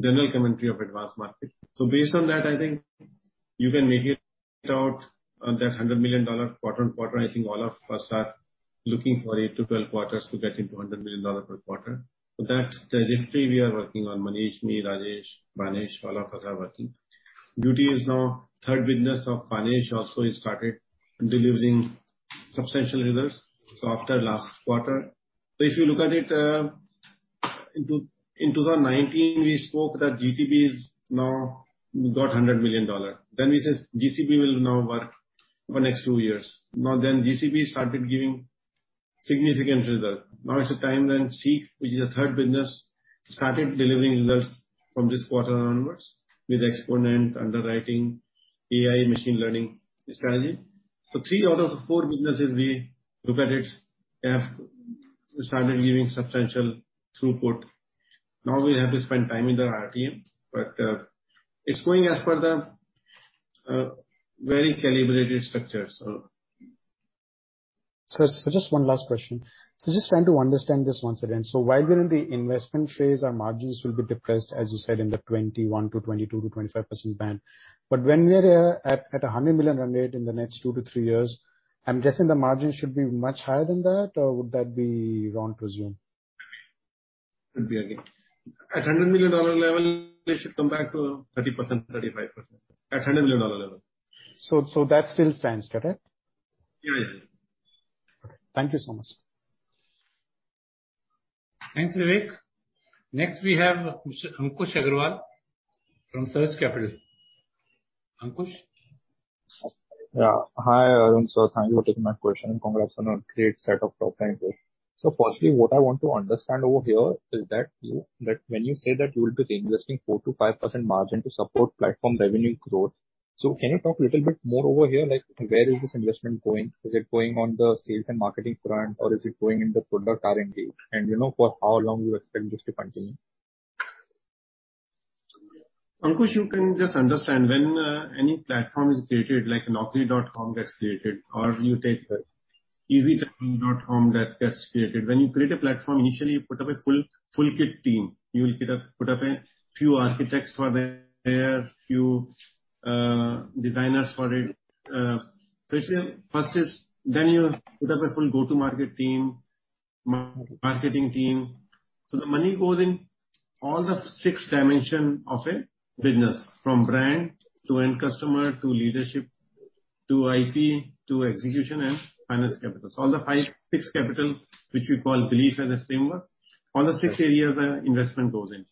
general commentary of advanced market. Based on that, I think you can make it out, that $100 million quarter-on-quarter, I think all of us are looking for eight to 12 quarters to get into a $100 million per quarter. That trajectory we are working on, Manish, me, Rajesh, Manish, all of us are working. Beauty is now third business of Manish. He also started delivering substantial results after last quarter. If you look at it, in 2019, we spoke that iGTB is now got $100 million. Then we said iGCB will now work for next two years. Now, iGCB started giving significant result. Now is the time SEEC, which is a third business, started delivering results from this quarter onwards with Xponent, underwriting, AI, machine learning strategy. three out of four businesses we look at it have started giving substantial throughput. Now we have to spend time in the iRTM. It's going as per the very calibrated structure. Just one last question. Just trying to understand this once again. While we're in the investment phase, our margins will be depressed, as you said, in the 21% to 22% to 25% band. When we are at a 100 million run rate in the next two to three years, I'm guessing the margin should be much higher than that, or would that be wrong to assume? Could be again. At $100 million level, it should come back to 30%-35%. At $100 million level. That still stands, correct? Yeah, yeah. Thank you so much. Thanks, Vivek. Next, we have Mr. Ankush Agrawal from Surge Capital. Ankush? Yeah. Hi, Arun sir. Thank you for taking my question, and congrats on a great set of top line growth. Firstly, what I want to understand over here is that when you say that you will be reinvesting 4%-5% margin to support platform revenue growth, can you talk little bit more over here, like where is this investment going? Is it going on the sales and marketing front, or is it going in the product R&D? And, you know, for how long you expect this to continue? Ankush, you can just understand when any platform is created, like Nokia gets created, or you take EasyTax that gets created. When you create a platform, initially you put up a full kit team. Put up a few architects for the layer, few designers for it. First year first, then you put up a full go-to-market team, marketing team. The money goes in all the six dimensions of a business, from brand to end customer, to leadership, to IT, to execution and finance capital. All the six capitals, which we call BELIEF as a framework. All the six areas the investment goes in.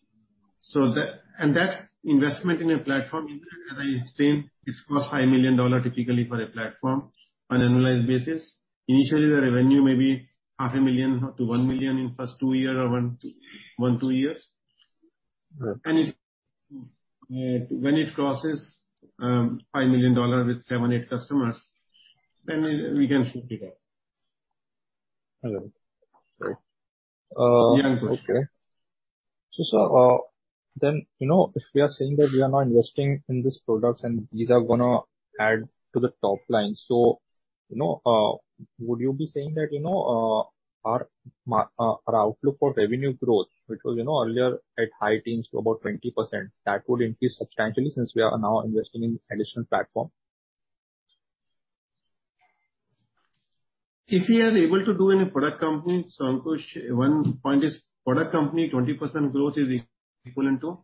That investment in a platform. As I explained, it costs $5 million typically for a platform on annualized basis. Initially, the revenue may be INR half a million to 1 million in first two years or one or two years. Right. When it crosses $5 million with seven to eight customers, then we can shift it up. All right. Yeah, Ankush. Okay. Sir, then, you know, if we are saying that we are now investing in these products and these are gonna add to the top line, you know, would you be saying that, you know, our outlook for revenue growth, which was, you know, earlier at high teens to about 20%, that would increase substantially since we are now investing in this additional platform. If we are able to do any product company, so Ankush, one point is product company, 20% growth is equivalent to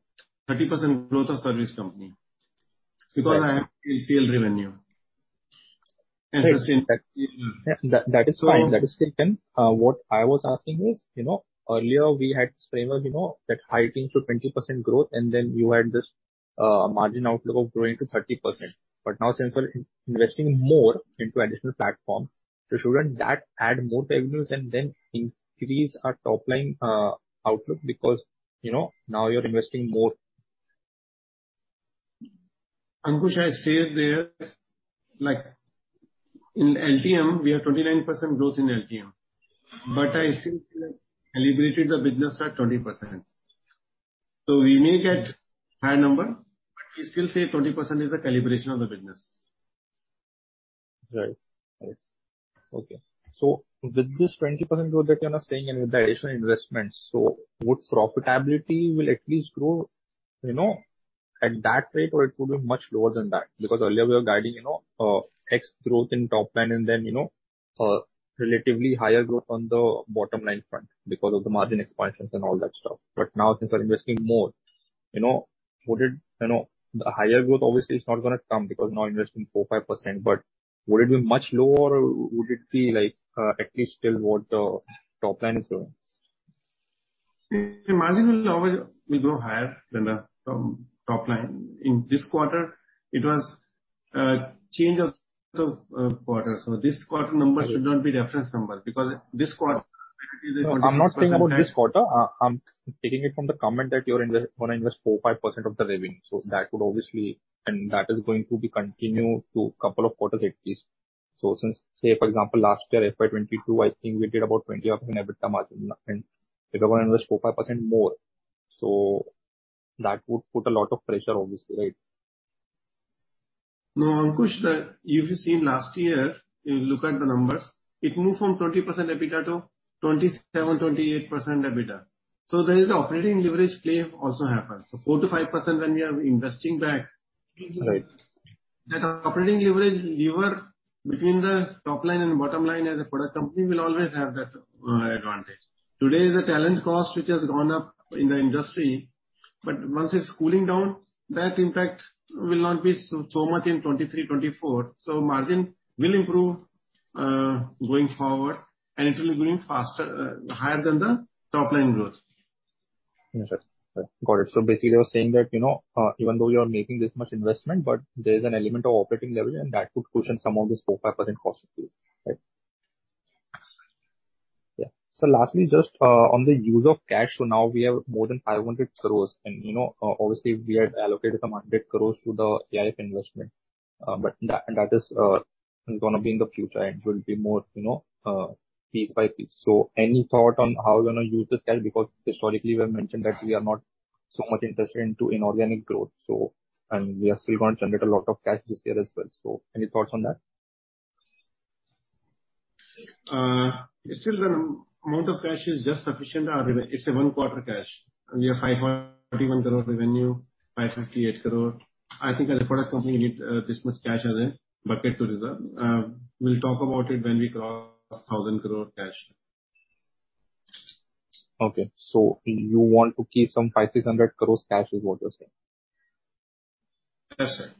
30% growth of service company. Right. Because I have LTM revenue. That is fine. So- That is taken. What I was asking is, you know, earlier we had this framework, you know, that high teens to 20% growth, and then you had this margin outlook of growing to 30%. Now since we're investing more into additional platform, so shouldn't that add more revenues and then increase our top line outlook because, you know, now you're investing more. Ankush, I said there, like in LTM, we have 29% growth in LTM. I still calibrated the business at 20%. We may get higher number, but we still say 20% is the calibration of the business. Right. Yes. Okay. With this 20% growth that you're now saying and with the additional investments, would profitability at least grow, you know, at that rate or it would be much lower than that? Because earlier we were guiding, you know, X growth in top line and then, you know, relatively higher growth on the bottom line front because of the margin expansions and all that stuff. Now since we're investing more, you know, would it, you know. The higher growth obviously is not gonna come because now investing 4-5%, but would it be much lower or would it be like, at least still what the top line is growing? The margin will always grow higher than the top line. In this quarter, it was change of the quarter. This quarter number should not be reference number because this quarter- No, I'm not saying about this quarter. I'm taking it from the comment that you're gonna invest 4%-5% of the revenue. That would obviously. That is going to be continued for a couple of quarters at least. Since, say for example last year, FY22, I think we did about 20-odd% in EBITDA margin, and if we're gonna invest 4%-5% more, that would put a lot of pressure obviously, right? No, Ankush, if you see last year, you look at the numbers, it moved from 20% EBITDA to 27%-28% EBITDA. There is operating leverage play also happened. Four to five percent when we are investing back. Right. That operating leverage lever between the top line and bottom line as a product company will always have that advantage. Today, the talent cost, which has gone up in the industry, but once it's cooling down, that impact will not be so much in 2023, 2024. Margin will improve going forward and it will be growing faster higher than the top line growth. Yes, sir. Got it. Basically you're saying that, you know, even though you are making this much investment, but there is an element of operating leverage and that could cushion some of this 4%-5% cost increase, right? Yeah. Lastly, just on the use of cash. Now we have more than 500 crore and, you know, obviously we had allocated some 100 crore to the AIF investment. But that is gonna be in the future. It will be more, you know, piece by piece. Any thought on how we're gonna use this cash? Because historically we've mentioned that we are not so much invested into inorganic growth. We are still going to generate a lot of cash this year as well. Any thoughts on that? Still the amount of cash is just sufficient. It's a one-quarter cash. We have 531 crore revenue, 558 crore. I think as a product company, we need this much cash as a bucket to reserve. We'll talk about it when we cross 1,000 crore cash. Okay. You want to keep some 500- 600 crore cash, is what you're saying? Yes, sir.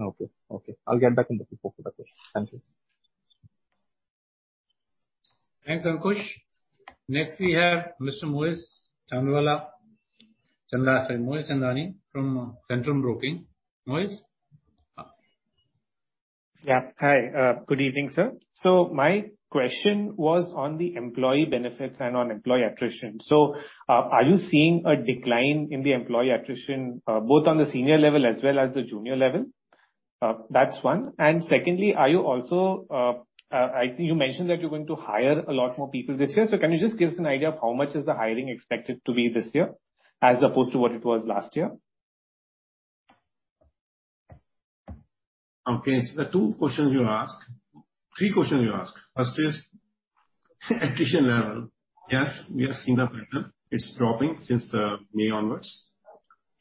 Okay. I'll get back on the call for that question. Thank you. Thanks, Ankush. Next, we have Mr. Moez Chandani from Centrum Broking. Moez? Yeah. Hi. Good evening, sir. My question was on the employee benefits and on employee attrition. Are you seeing a decline in the employee attrition, both on the senior level as well as the junior level? That's one. Secondly, are you also, I think you mentioned that you're going to hire a lot more people this year. Can you just give us an idea of how much is the hiring expected to be this year as opposed to what it was last year? Okay. The two questions you asked. Three questions you asked. First is attrition level. Yes, we are seeing the pattern. It's dropping since May onwards,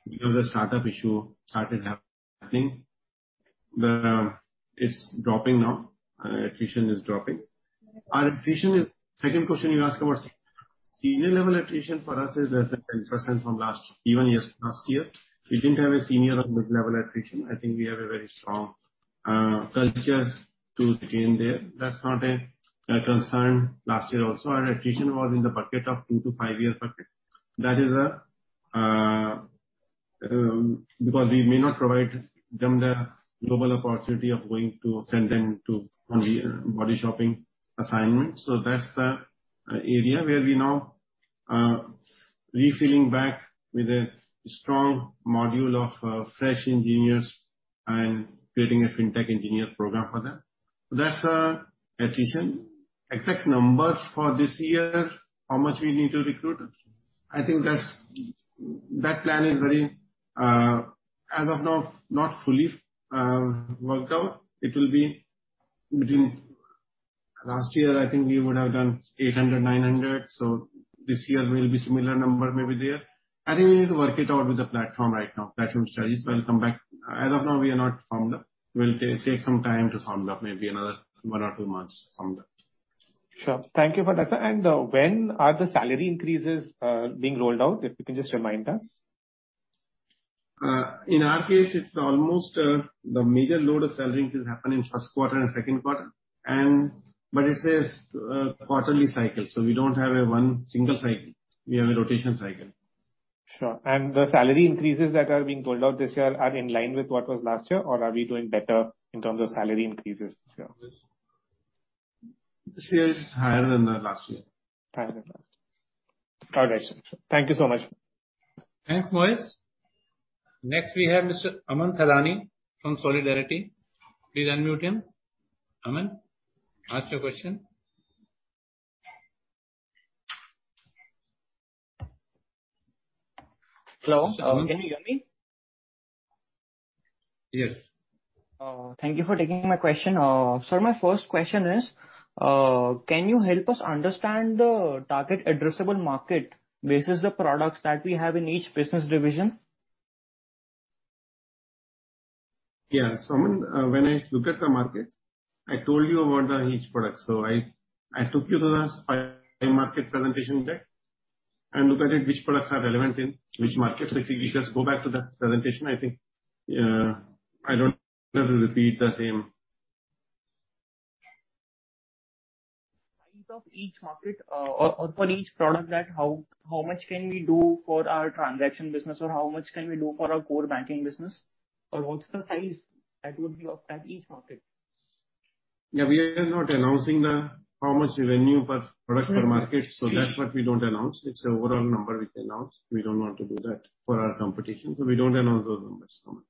because the startup issue started happening. It's dropping now. Attrition is dropping. Our attrition is dropping. Second question you asked about senior level attrition for us is less than 10% from last year. We didn't have a senior or mid-level attrition. I think we have a very strong culture to retain there. That's not a concern. Last year also, our attrition was in the bucket of two to five years bucket. That is because we may not provide them the global opportunity of going to send them on the body shopping assignment. That's the area where we now refilling back with a strong module of fresh engineers and creating a fintech engineer program for them. That's attrition. Exact numbers for this year, how much we need to recruit, I think that's that plan is very as of now not fully worked out. It will be between 800-900. Last year, I think we would have done 800, 900. This year will be similar number maybe there. I think we need to work it out with the platform right now, platform strategies. We'll come back. As of now, we are not firm. We'll take some time to firm up, maybe another one or two months from that. Sure. Thank you for that, sir. When are the salary increases being rolled out? If you can just remind us. In our case, it's almost the major load of salary increase happen in first quarter and second quarter. It's a quarterly cycle, so we don't have a one single cycle. We have a rotation cycle. Sure. The salary increases that are being rolled out this year are in line with what was last year, or are we doing better in terms of salary increases this year? This year is higher than the last year. Higher than last year. All right, sir. Thank you so much. Thanks, Mohit. Next, we have Mr. Aman Thadani from Solidarity. Please unmute him. Aman, ask your question. Hello. Yes. Can you hear me? Yes. Thank you for taking my question. Sir, my first question is, can you help us understand the target addressable market versus the products that we have in each business division? Aman, when I look at the market, I told you about each product. I took you to the global market presentation deck and look at it which products are relevant in which markets. If you can just go back to that presentation, I think, I don't need to repeat the same. Size of each market, or for each product that how much can we do for our transaction business, or how much can we do for our core banking business? Or what's the size that would be of each market? Yeah, we are not announcing how much revenue per product per market. That's what we don't announce. It's the overall number we can announce. We don't want to do that for our competition, so we don't announce those numbers, Aman.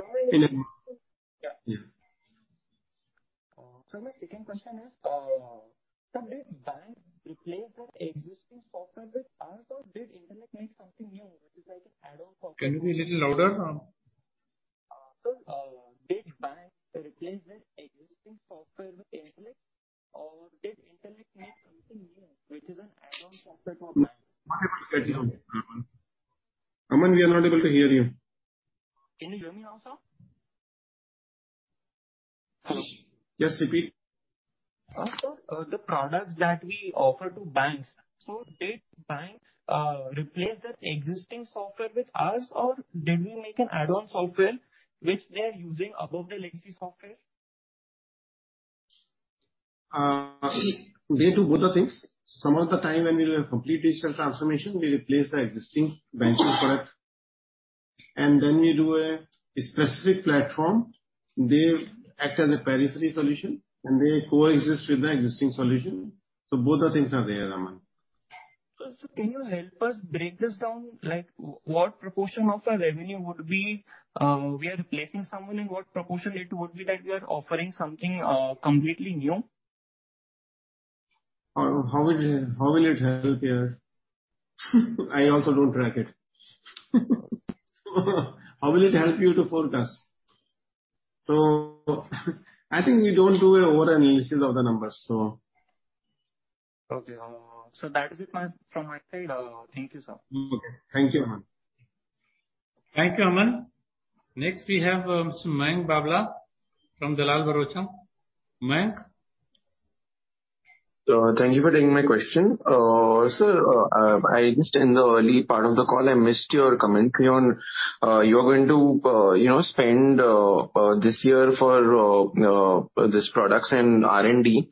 Sorry. Yeah. Sir, my second question is, did banks replace their existing software with ours or did Intellect make something new which is like an add-on software? Can you be little louder? Sir, did banks replace their existing software with Intellect or did Intellect make something new which is an add-on software for banks? Multiple schedule, Aman. Aman, we are not able to hear you. Can you hear me now, sir? Yes, repeat. Sir, the products that we offer to banks. Did banks replace that existing software with ours, or did we make an add-on software which they are using above the legacy software? We do both the things. Some of the time when we do a complete digital transformation, we replace the existing banking product, and then we do a specific platform. They act as a periphery solution, and they coexist with the existing solution. Both the things are there, Aman. Sir, can you help us break this down, like what proportion of the revenue would be, we are replacing someone and what proportion it would be that we are offering something, completely new? How will it help you? I also don't track it. How will it help you to forecast? I think we don't do an over-analysis of the numbers, so... Okay. So that is it from my side. Thank you, sir. Okay. Thank you, Aman. Thank you, Aman. Next we have Mayank Babla from Dalal & Broacha. Mayank? Thank you for taking my question. Sir, I just, in the early part of the call, missed your commentary on you're going to, you know, spend this year for these products and R&D.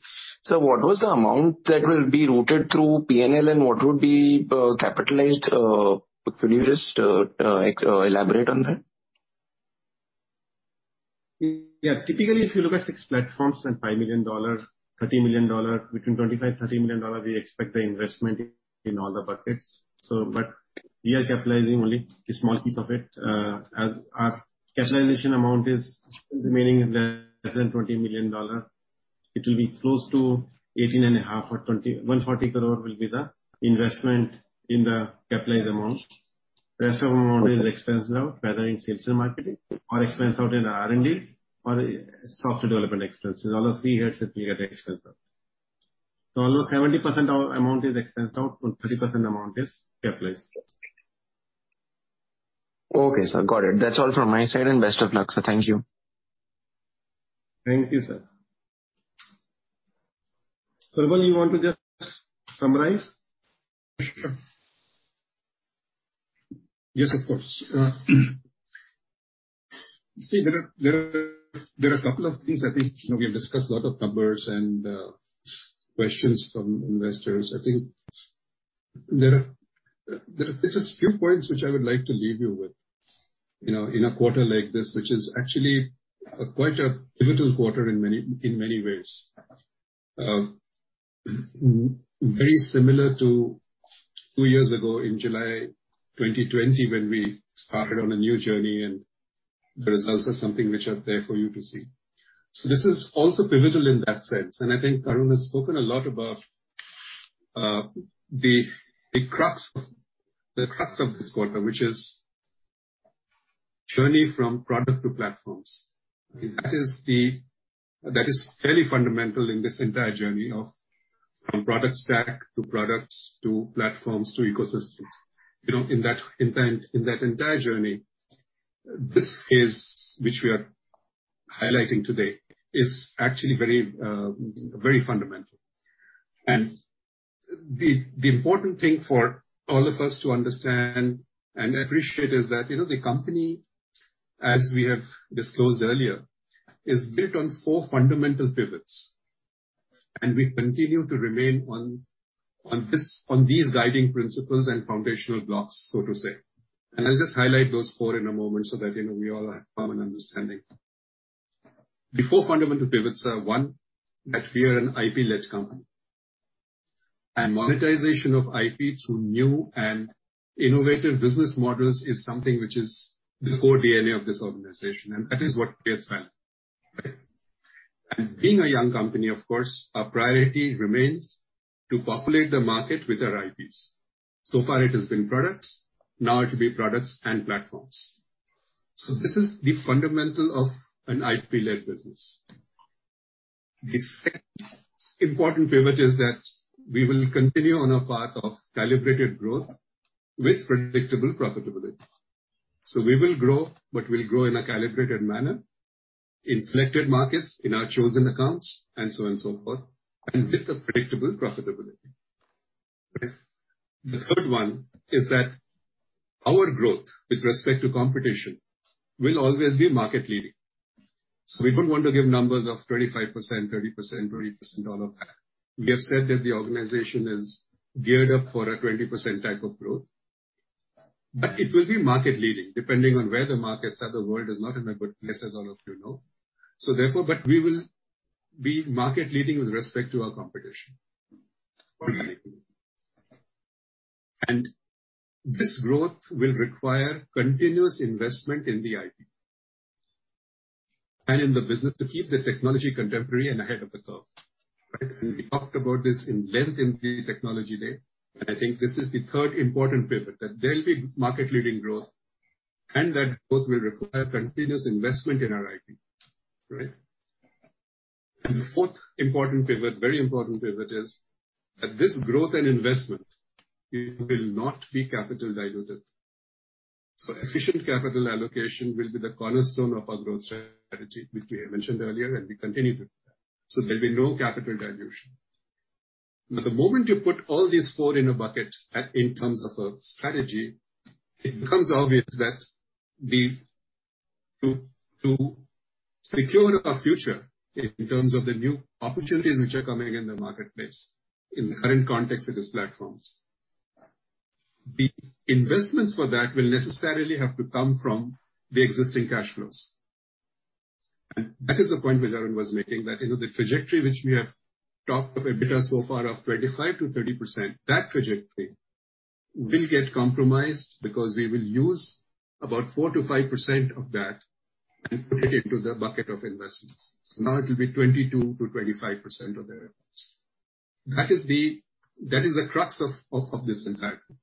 What was the amount that will be routed through P&L and what would be capitalized? Could you just elaborate on that? Typically, if you look at six platforms and $5 million, $30 million, between 25, 30 million dollars, we expect the investment in all the buckets. But we are capitalizing only a small piece of it. As our capitalization amount is still remaining less than $20 million. It will be close to 18.5 or 20. 140 crore will be the investment in the capitalized amount. Rest of amount is expensed out, whether in sales and marketing or expensed out in R&D or software development expenses. All of three years get expensed out. Almost 70% of amount is expensed out and 30% amount is capitalized. Okay, sir. Got it. That's all from my side. Best of luck, sir. Thank you. Thank you, sir. Prabal, you want to just summarize? Sure. Yes, of course. See, there are a couple of things I think. You know, we have discussed a lot of numbers and questions from investors. I think there are just a few points which I would like to leave you with. You know, in a quarter like this, which is actually quite a pivotal quarter in many ways. Very similar to two years ago in July 2020 when we started on a new journey and the results are something which are there for you to see. This is also pivotal in that sense. I think Arun has spoken a lot about the crux of this quarter, which is journey from product to platforms. That is the. That is fairly fundamental in this entire journey from product stack to products to platforms to ecosystems. You know, in that entire journey, this is which we are highlighting today is actually very fundamental. The important thing for all of us to understand and appreciate is that, you know, the company, as we have disclosed earlier, is built on four fundamental pivots. We continue to remain on these guiding principles and foundational blocks, so to say. I'll just highlight those four in a moment so that, you know, we all have common understanding. The four fundamental pivots are, one, that we are an IP-led company. Monetization of IP through new and innovative business models is something which is the core DNA of this organization, and that is what pays well. Right? Being a young company, of course, our priority remains to populate the market with our IPs. So far it has been products. Now it will be products and platforms. This is the fundamental of an IP-led business. The second important pivot is that we will continue on our path of calibrated growth with predictable profitability. We will grow, but we'll grow in a calibrated manner in selected markets, in our chosen accounts and so on and so forth, and with a predictable profitability. Right. The third one is that our growth with respect to competition will always be market leading. We don't want to give numbers of 35%, 30%, 40%, all of that. We have said that the organization is geared up for a 20% type of growth, but it will be market leading depending on where the markets are. The world is not in a good place, as all of you know. Therefore, we will be market-leading with respect to our competition. This growth will require continuous investment in the IP and in the business to keep the technology contemporary and ahead of the curve. Right? We talked about this at length in the Technology Day. I think this is the third important pivot, that there will be market-leading growth and that growth will require continuous investment in our IP, right? The fourth important pivot, very important pivot, is that this growth and investment will not be capital diluted. Efficient capital allocation will be the cornerstone of our growth strategy, which we have mentioned earlier, and we continue to do that. There'll be no capital dilution. The moment you put all these four in a bucket, in terms of a strategy, it becomes obvious that to secure our future in terms of the new opportunities which are coming in the marketplace in the current context of these platforms, the investments for that will necessarily have to come from the existing cash flows. That is the point which Arun was making, that, you know, the trajectory which we have talked of EBITDA so far of 25%-30%, that trajectory will get compromised because we will use about 4%-5% of that and put it into the bucket of investments. Now it will be 22%-25% of the revenues. That is the crux of this entire thing.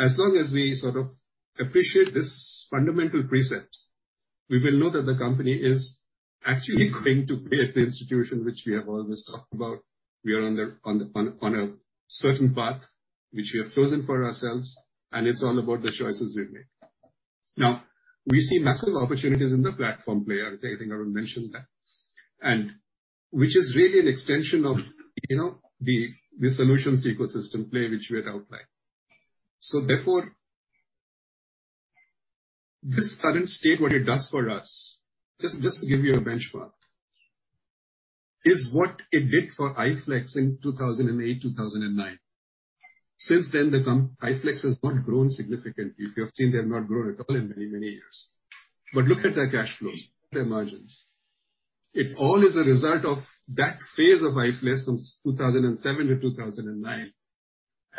As long as we sort of appreciate this fundamental precept, we will know that the company is actually going to create the institution which we have always talked about. We are on a certain path which we have chosen for ourselves, and it's all about the choices we've made. Now, we see massive opportunities in the platform player. I think Arun mentioned that. Which is really an extension of, you know, the solutions ecosystem play which we had outlined. Therefore, this current state, what it does for us, just to give you a benchmark, is what it did for i-flex in 2008, 2009. Since then, i-flex has not grown significantly. If you have seen, they have not grown at all in many years. But look at their cash flows, look at their margins. It all is a result of that phase of i-flex from 2007 to 2009.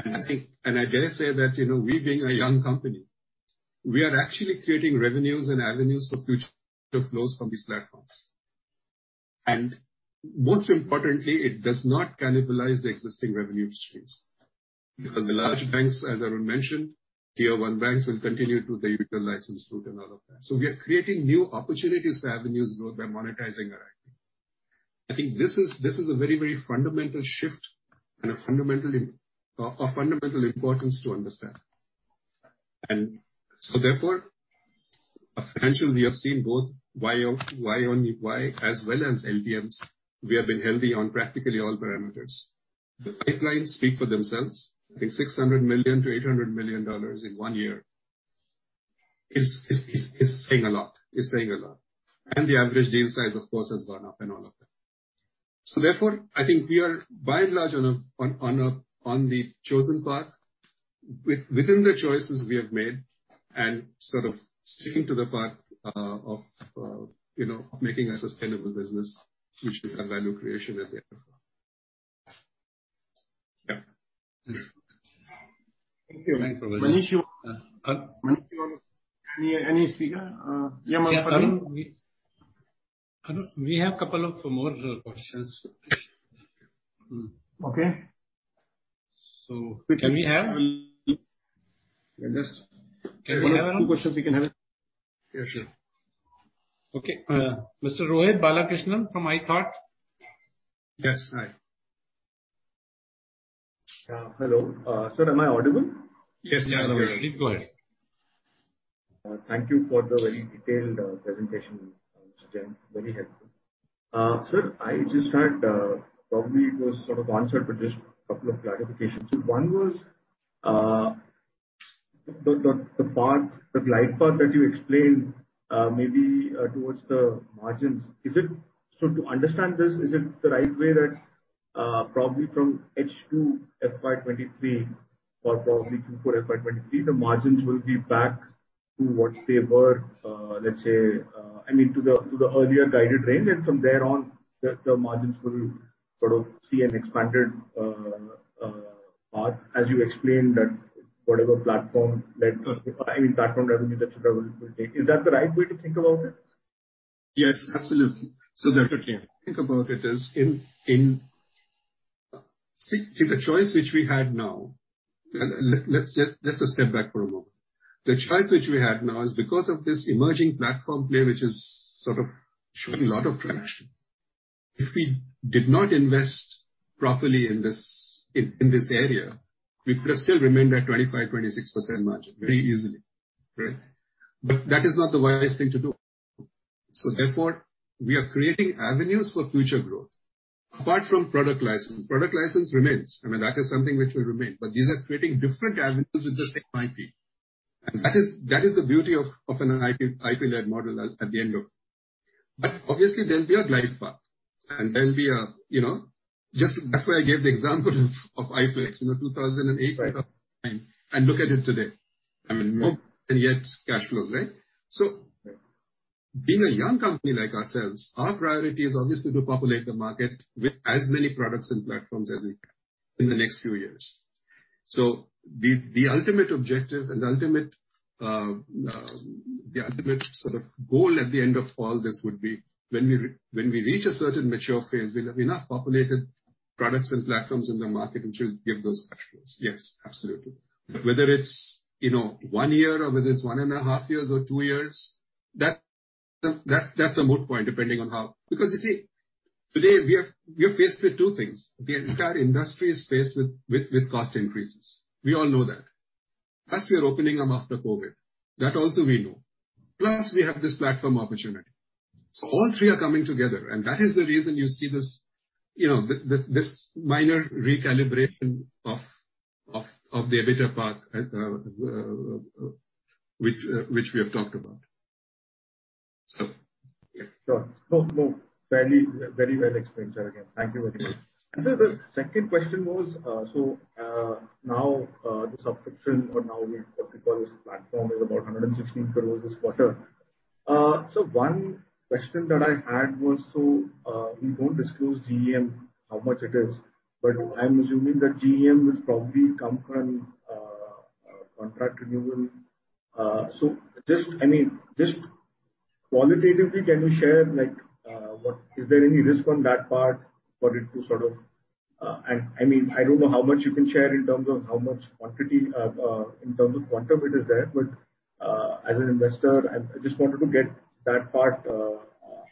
I think, and I dare say that, you know, we being a young company, we are actually creating revenues and avenues for future flows from these platforms. Most importantly, it does not cannibalize the existing revenue streams. Because the large banks, as Arun mentioned, tier one banks will continue to the user license route and all of that. We are creating new opportunities for avenues growth by monetizing our IP. I think this is a very fundamental shift and a fundamental of fundamental importance to understand. Therefore, our financials you have seen both YoY as well as LTM's, we have been healthy on practically all parameters. The pipelines speak for themselves. I think $600 million-$800 million in one year is saying a lot. The average deal size of course has gone up and all of that. Therefore, I think we are by and large on the chosen path within the choices we have made and sort of sticking to the path of you know making a sustainable business which will have value creation at the end of that. Yeah. Thank you. Thanks, Praveen. Manish, Uh. Manish, you want any speaker? Yeah, Yeah, Arun. Arun? Arun, we have couple of more questions. Okay. Can we have? We can have. Yeah, just questions we can have it. Yeah, sure. Okay. Mr. Rohit Balakrishnan from iThought. Yes. Hi. Hello. Sir, am I audible? Yes. Yes. Go ahead. Thank you for the very detailed presentation, Jen. Very helpful. Sir, I just had, probably it was sort of answered, but just couple of clarifications. One was the path, the glide path that you explained, maybe towards the margins. Is it? So to understand this, is it the right way that, probably from H2 FY23 or probably Q4 FY23, the margins will be back to what they were, let's say, I mean to the earlier guided range. And from there on the margins will sort of see an expanded path as you explained that whatever platform that, I mean, platform revenue that should will take. Is that the right way to think about it? Yes, absolutely. Therefore, think about it as in. See the choice which we had now. Let's just step back for a moment. The choice which we had now is because of this emerging platform play which has sort of shown a lot of traction. If we did not invest properly in this area, we could have still remained at 25%-26% margin very easily. Right? That is not the wisest thing to do. Therefore, we are creating avenues for future growth. Apart from product license. Product license remains. I mean, that is something which will remain. These are creating different avenues with the same IP. That is the beauty of an IP-led model at the end of. Obviously there'll be a glide path and there'll be a, you know. Just, that's why I gave the example of i-flex in 2008 and look at it today. I mean, more annuity cash flows, right? Being a young company like ourselves, our priority is obviously to populate the market with as many products and platforms as we can in the next few years. The ultimate objective and the ultimate sort of goal at the end of all this would be when we reach a certain mature phase, we'll have enough populated products and platforms in the market which will give those cash flows. Yes, absolutely. Whether it's, you know, one year or whether it's one and a half years or two years, that's a moot point, depending on how. Because you see, today we are faced with two things. The entire industry is faced with cost increases. We all know that. Plus we are opening up after COVID. That also we know. Plus, we have this platform opportunity. All three are coming together and that is the reason you see this, you know, this minor recalibration of the EBITDA path, which we have talked about. Yeah. Sure. No, no. Very, very well explained, sir. Again, thank you very much. Sir, the second question was, now, the subscription or now we what we call this platform is about 116 crores this quarter. One question that I had was, you don't disclose GeM, how much it is, but I'm assuming that GeM will probably come from contract renewal. Just, I mean, just qualitatively, can you share like, what? Is there any risk on that part for it to sort of, I mean, I don't know how much you can share in terms of how much quantity in terms of quantum it is there, but as an investor, I just wanted to get that part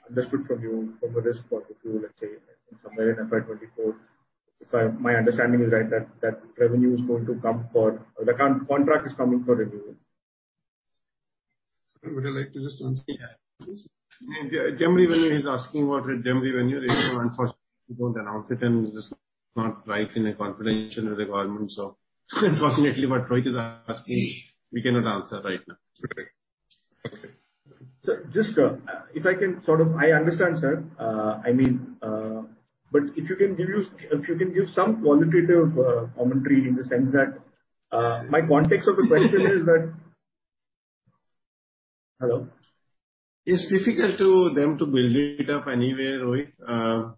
understood from you from a risk point of view, let's say, somewhere in FY24. If my understanding is right that revenue is going to come from or the contract is coming for renewal. Would you like to just answer that, please? Yeah. Demo revenue, he's asking about demo revenue. Unfortunately, we don't announce it and it is not right in a confidential requirement. Unfortunately what Rohit is asking, we cannot answer right now. Right. Okay. I understand, sir. I mean, but if you can give us some qualitative commentary in the sense that my context of the question is that. Hello? It's difficult for them to build it up anywhere, Rohit.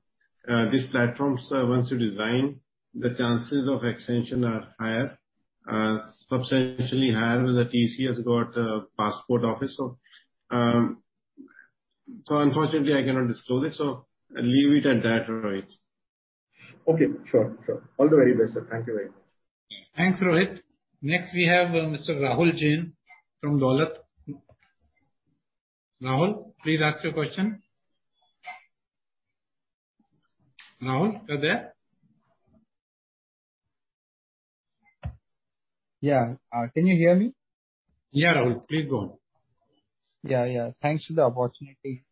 These platforms, once you design, the chances of extension are higher, substantially higher with the TCS has got a passport office. Unfortunately I cannot disclose it, so I'll leave it at that, Rohit. Okay. Sure. Sure. All the very best, sir. Thank you very much. Thanks, Rohit. Next we have Mr. Rahul Jain from Dolat Capital. Rahul, please ask your question. Rahul, you're there? Yeah. Can you hear me? Yeah, Rahul. Please go on. Yeah, yeah. Thanks for the opportunity.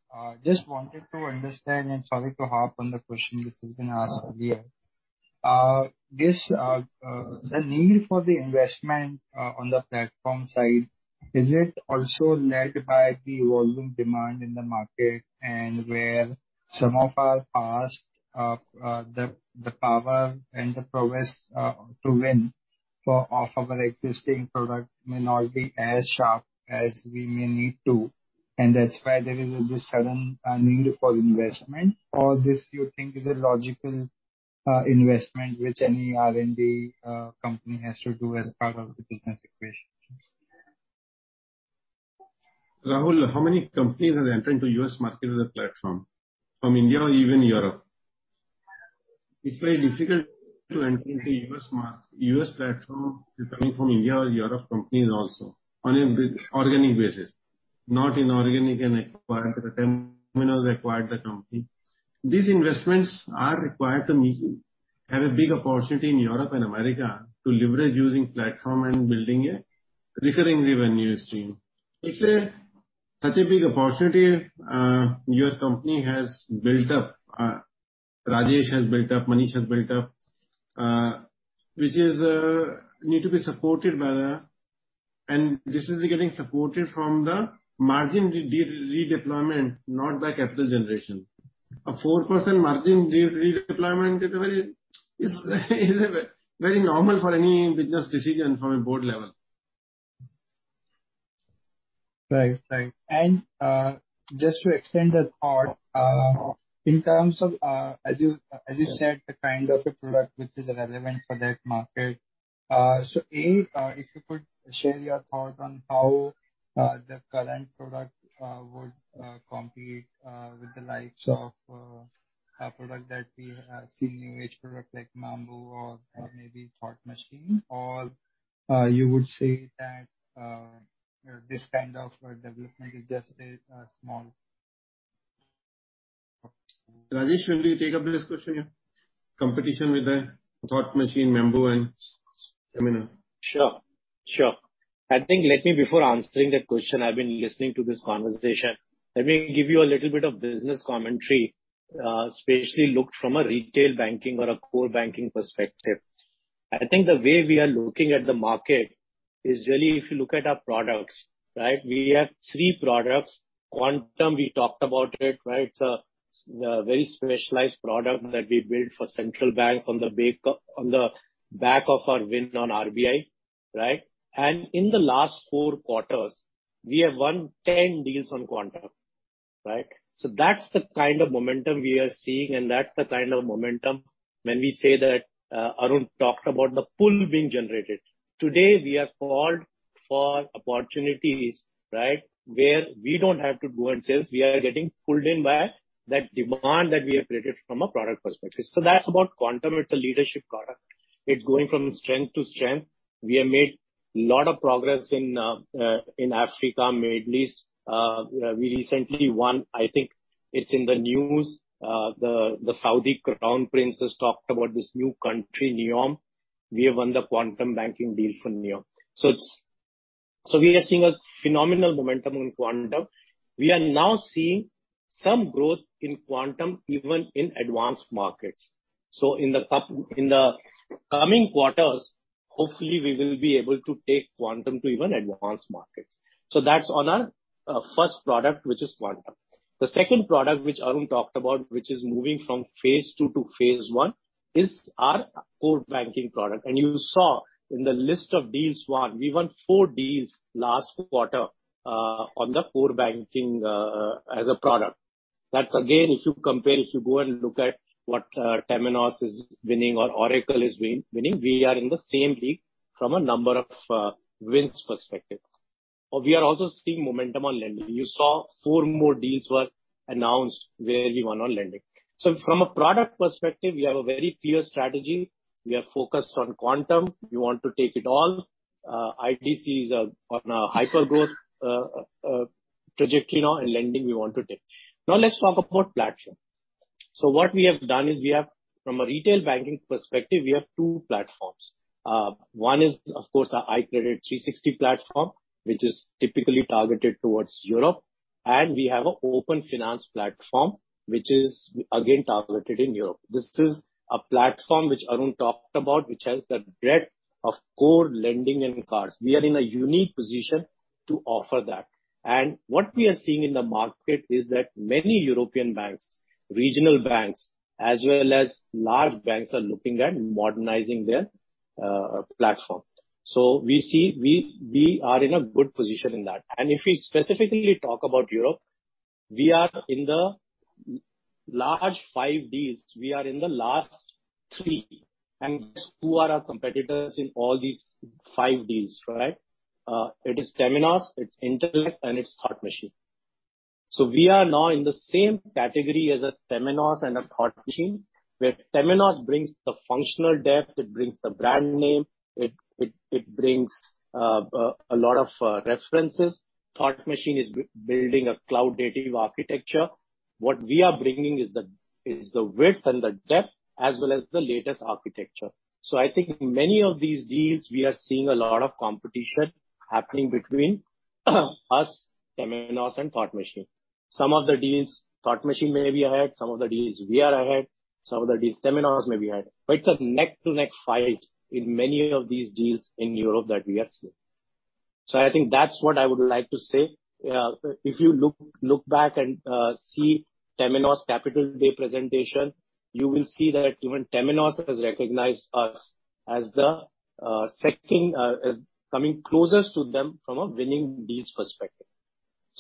Just wanted to understand, and sorry to harp on the question which has been asked earlier. This, the need for the investment on the platform side, is it also led by the evolving demand in the market and where some of our past, the power and the progress to win off of our existing product may not be as sharp as we may need to, and that's why there is this sudden need for investment? Or this you think is a logical investment which any R&D company has to do as part of the business equation? Rahul, how many companies are entering to U.S. market as a platform from India or even Europe? It's very difficult to enter into U.S. platform coming from India or Europe companies also on an organic basis. Not inorganic and acquired, but Temenos acquired the company. These investments are required to meet, have a big opportunity in Europe and America to leverage using platform and building a recurring revenue stream. It's such a big opportunity, your company has built up, Rajesh has built up, Manish has built up, which is need to be supported by the. This is getting supported from the margin redeployment, not by capital generation. A 4% margin redeployment is a very normal for any business decision from a board level. Just to extend that thought, in terms of, as you said, the kind of a product which is relevant for that market. If you could share your thought on how the current product would compete with the likes of a product that we see new age product like Mambu or maybe Thought Machine. Or you would say that this kind of a development is just a small. Rajesh, will you take up this question? Competition with the Thought Machine, Mambu and Temenos. Sure. I think, let me, before answering that question, I've been listening to this conversation. Let me give you a little bit of business commentary, especially looked at from a retail banking or a core banking perspective. I think the way we are looking at the market is really if you look at our products, right? We have three products. Quantum, we talked about it, right? It's a very specialized product that we built for central banks on the back of our win on RBI, right? In the last four quarters, we have won 10 deals on Quantum, right? So that's the kind of momentum we are seeing and that's the kind of momentum when we say that, Arun talked about the pull being generated. Today, we are called for opportunities, right? Where we don't have to do our sales, we are getting pulled in by that demand that we have created from a product perspective. That's about Quantum. It's a leadership product. It's going from strength to strength. We have made lot of progress in Africa, Middle East. We recently won, I think it's in the news, the Saudi crown prince has talked about this new country, NEOM. We have won the Quantum banking deal from NEOM. We are seeing a phenomenal momentum on Quantum. We are now seeing some growth in Quantum even in advanced markets. In the coming quarters, hopefully we will be able to take Quantum to even advanced markets. That's on our first product, which is Quantum. The second product which Arun talked about, which is moving from phase two to phase one, is our core banking product. You saw in the list of deals won, we won four deals last quarter on the core banking as a product. That's again, if you compare, if you go and look at what Temenos is winning or Oracle is winning, we are in the same league from a number of wins perspective. We are also seeing momentum on lending. You saw four more deals were announced where we won on lending. From a product perspective, we have a very clear strategy. We are focused on Quantum. We want to take it all. iGTB is on a hyper-growth trajectory now in lending we want to take. Now let's talk about platform. What we have done is we have from a retail banking perspective, we have two platforms. One is of course our iCredit 360 platform, which is typically targeted toward Europe, and we have an open finance platform, which is again targeted in Europe. This is a platform which Arun talked about, which has the breadth of core lending and cards. We are in a unique position to offer that. What we are seeing in the market is that many European banks, regional banks, as well as large banks, are looking at modernizing their platform. We see we are in a good position in that. If we specifically talk about Europe, we are in the large five deals, we are in the last three. Who are our competitors in all these five deals, right? It is Temenos, it's Intellect, and it's Thought Machine. We are now in the same category as a Temenos and a Thought Machine, where Temenos brings the functional depth, it brings the brand name, it brings a lot of references. Thought Machine is building a cloud-native architecture. What we are bringing is the width and the depth as well as the latest architecture. I think in many of these deals we are seeing a lot of competition happening between us, Temenos and Thought Machine. Some of the deals, Thought Machine may be ahead, some of the deals we are ahead, some of the deals Temenos may be ahead. It's a neck-and-neck fight in many of these deals in Europe that we are seeing. I think that's what I would like to say. If you look back and see Temenos Capital Markets Day presentation, you will see that even Temenos has recognized us as the second as coming closest to them from a winning deals perspective.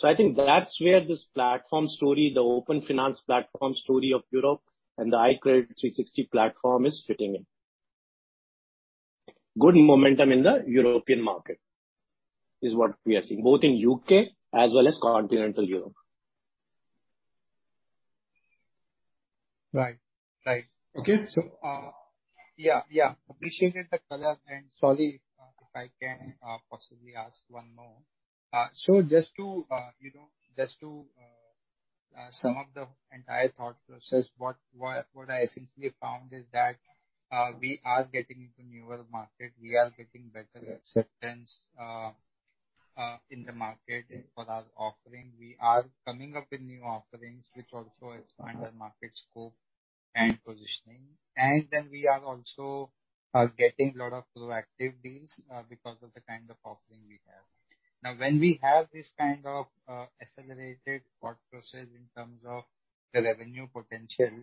I think that's where this platform story, the open finance platform story of Europe and the iCredit 360 platform is fitting in. Good momentum in the European market is what we are seeing, both in U.K. as well as continental Europe. Right. Okay. Appreciated the color, and sorry if I can possibly ask one more. Just to, you know, sum up the entire thought process, what I essentially found is that we are getting into newer market, we are getting better acceptance in the market for our offering. We are coming up with new offerings which also expand our market scope and positioning. We are also getting a lot of proactive deals because of the kind of offering we have. Now, when we have this kind of accelerated thought process in terms of the revenue potential,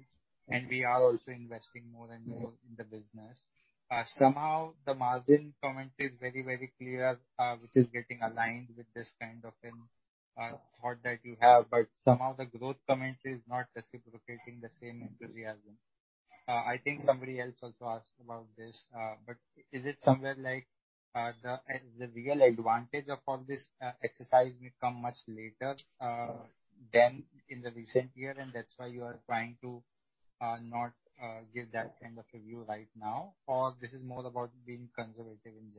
and we are also investing more and more in the business, somehow the margin comment is very, very clear, which is getting aligned with this kind of an thought that you have. Somehow the growth comment is not reciprocating the same enthusiasm. I think somebody else also asked about this, but is it somewhere like the real advantage of all this exercise may come much later than in the recent year, and that's why you are trying to not give that kind of a view right now? This is more about being conservative in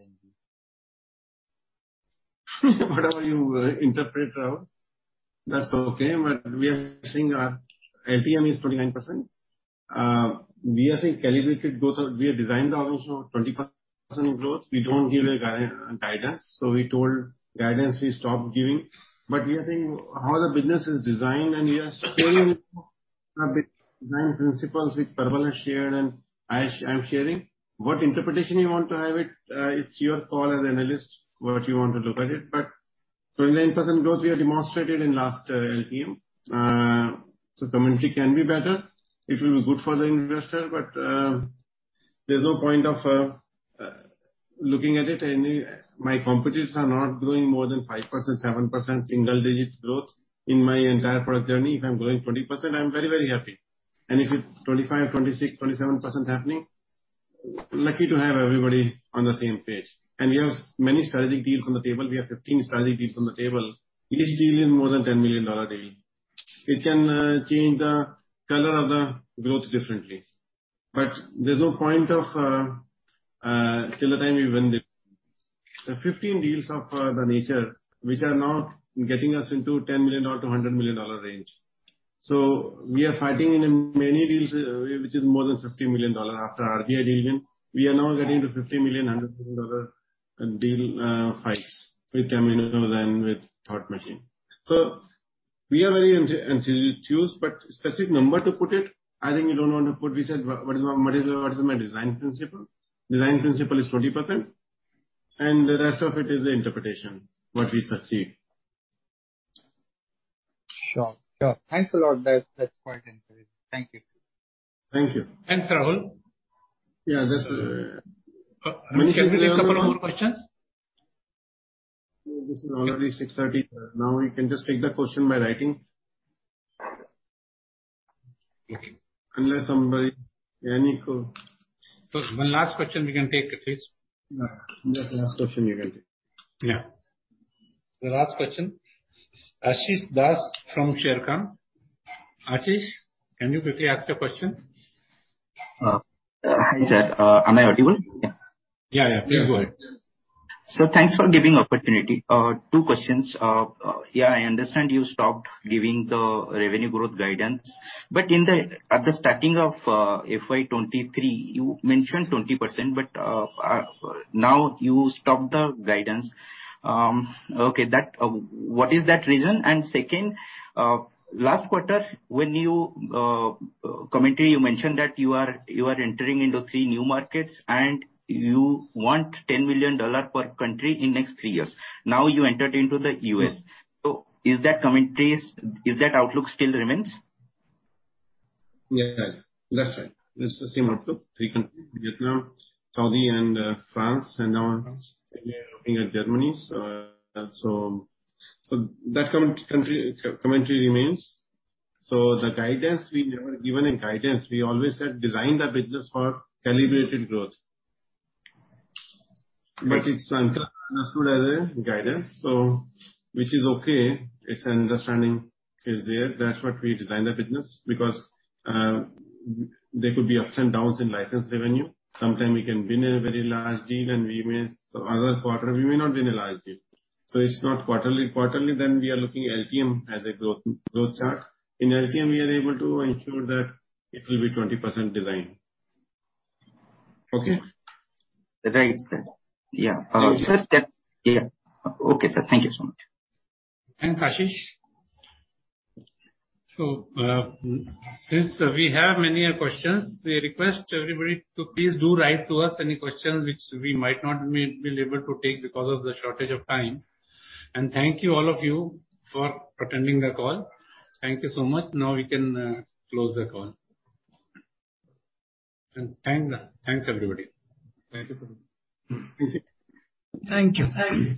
general? Whatever you interpret, Rahul, that's okay. We are seeing our LTM is 29%. We are saying calibrated growth of. We have designed the optimal 20% growth. We don't give a guidance. We told guidance we stopped giving. We are saying how the business is designed and we are scaling nine principles which Prabal has shared and I'm sharing. What interpretation you want to have it's your call as an analyst what you want to look at it. 29% growth we have demonstrated in last LTM. Commentary can be better. It will be good for the investor, but there's no point of looking at it. Any, my competitors are not growing more than 5%, 7%, single digit growth in my entire product journey. If I'm growing 20%, I'm very, very happy. If it's 25, 26, 27% happening, lucky to have everybody on the same page. We have many strategic deals on the table. We have 15 strategic deals on the table. Each deal is more than $10 million deal. It can change the color of the growth differently. There's no point of till the time we win the 15 deals of the nature which are now getting us into $10 million to $100 million range. We are fighting in many deals which is more than $50 million. After RBI deal win, we are now getting to $50 million, $100 million dollar deal fights with Temenos and with Thought Machine. We are very enthusiastic, but specific number to put it, I think we don't want to put. We said, what is my design principle? Design principle is 20%. The rest of it is the interpretation, what we perceive. Sure. Thanks a lot. That's quite encouraging. Thank you. Thank you. Thanks, Rahul. Yeah, that's, Manish, is there any other one? Can we take a couple of more questions? No, this is already 6:30. Now we can just take the question by writing. Okay. Unless somebody... Any co- One last question we can take, please. Yeah. Just last question you can take. Yeah. The last question. Ashish Das from Sharekhan. Ashish, can you quickly ask your question? Hi, sir. Am I audible? Yeah. Yeah, yeah, please go ahead. Thanks for giving opportunity. Two questions. Yeah, I understand you stopped giving the revenue growth guidance. At the start of FY23, you mentioned 20%, but now you stopped the guidance. Okay, what is that reason? Second, last quarter, in your commentary, you mentioned that you are entering into three new markets and you want $10 million per country in next three years. Now you entered into the U.S.. Is that commentary, is that outlook still remains? Yeah. That's right. It's the same outlook. Three countries: Vietnam, Saudi, and France, and now we are looking at Germany. That country commentary remains. We never given a guidance. We always said design the business for calibrated growth. It's understood as a guidance, which is okay. It's an understanding is there. That's what we designed the business because there could be ups and downs in license revenue. Sometimes we can win a very large deal and we may so in other quarters we may not win a large deal. It's not quarterly. Then we are looking at LTM as a growth chart. In LTM we are able to ensure that it will be 20% as designed. Okay? Right, sir. Yeah. Uh- Sir. Yeah. Okay, sir. Thank you so much. Thanks, Ashish. Since we have many questions, we request everybody to please do write to us any questions which we might not be able to take because of the shortage of time. Thank you all of you for attending the call. Thank you so much. Now we can close the call. Thanks everybody. Thank you. Thank you. Thank you.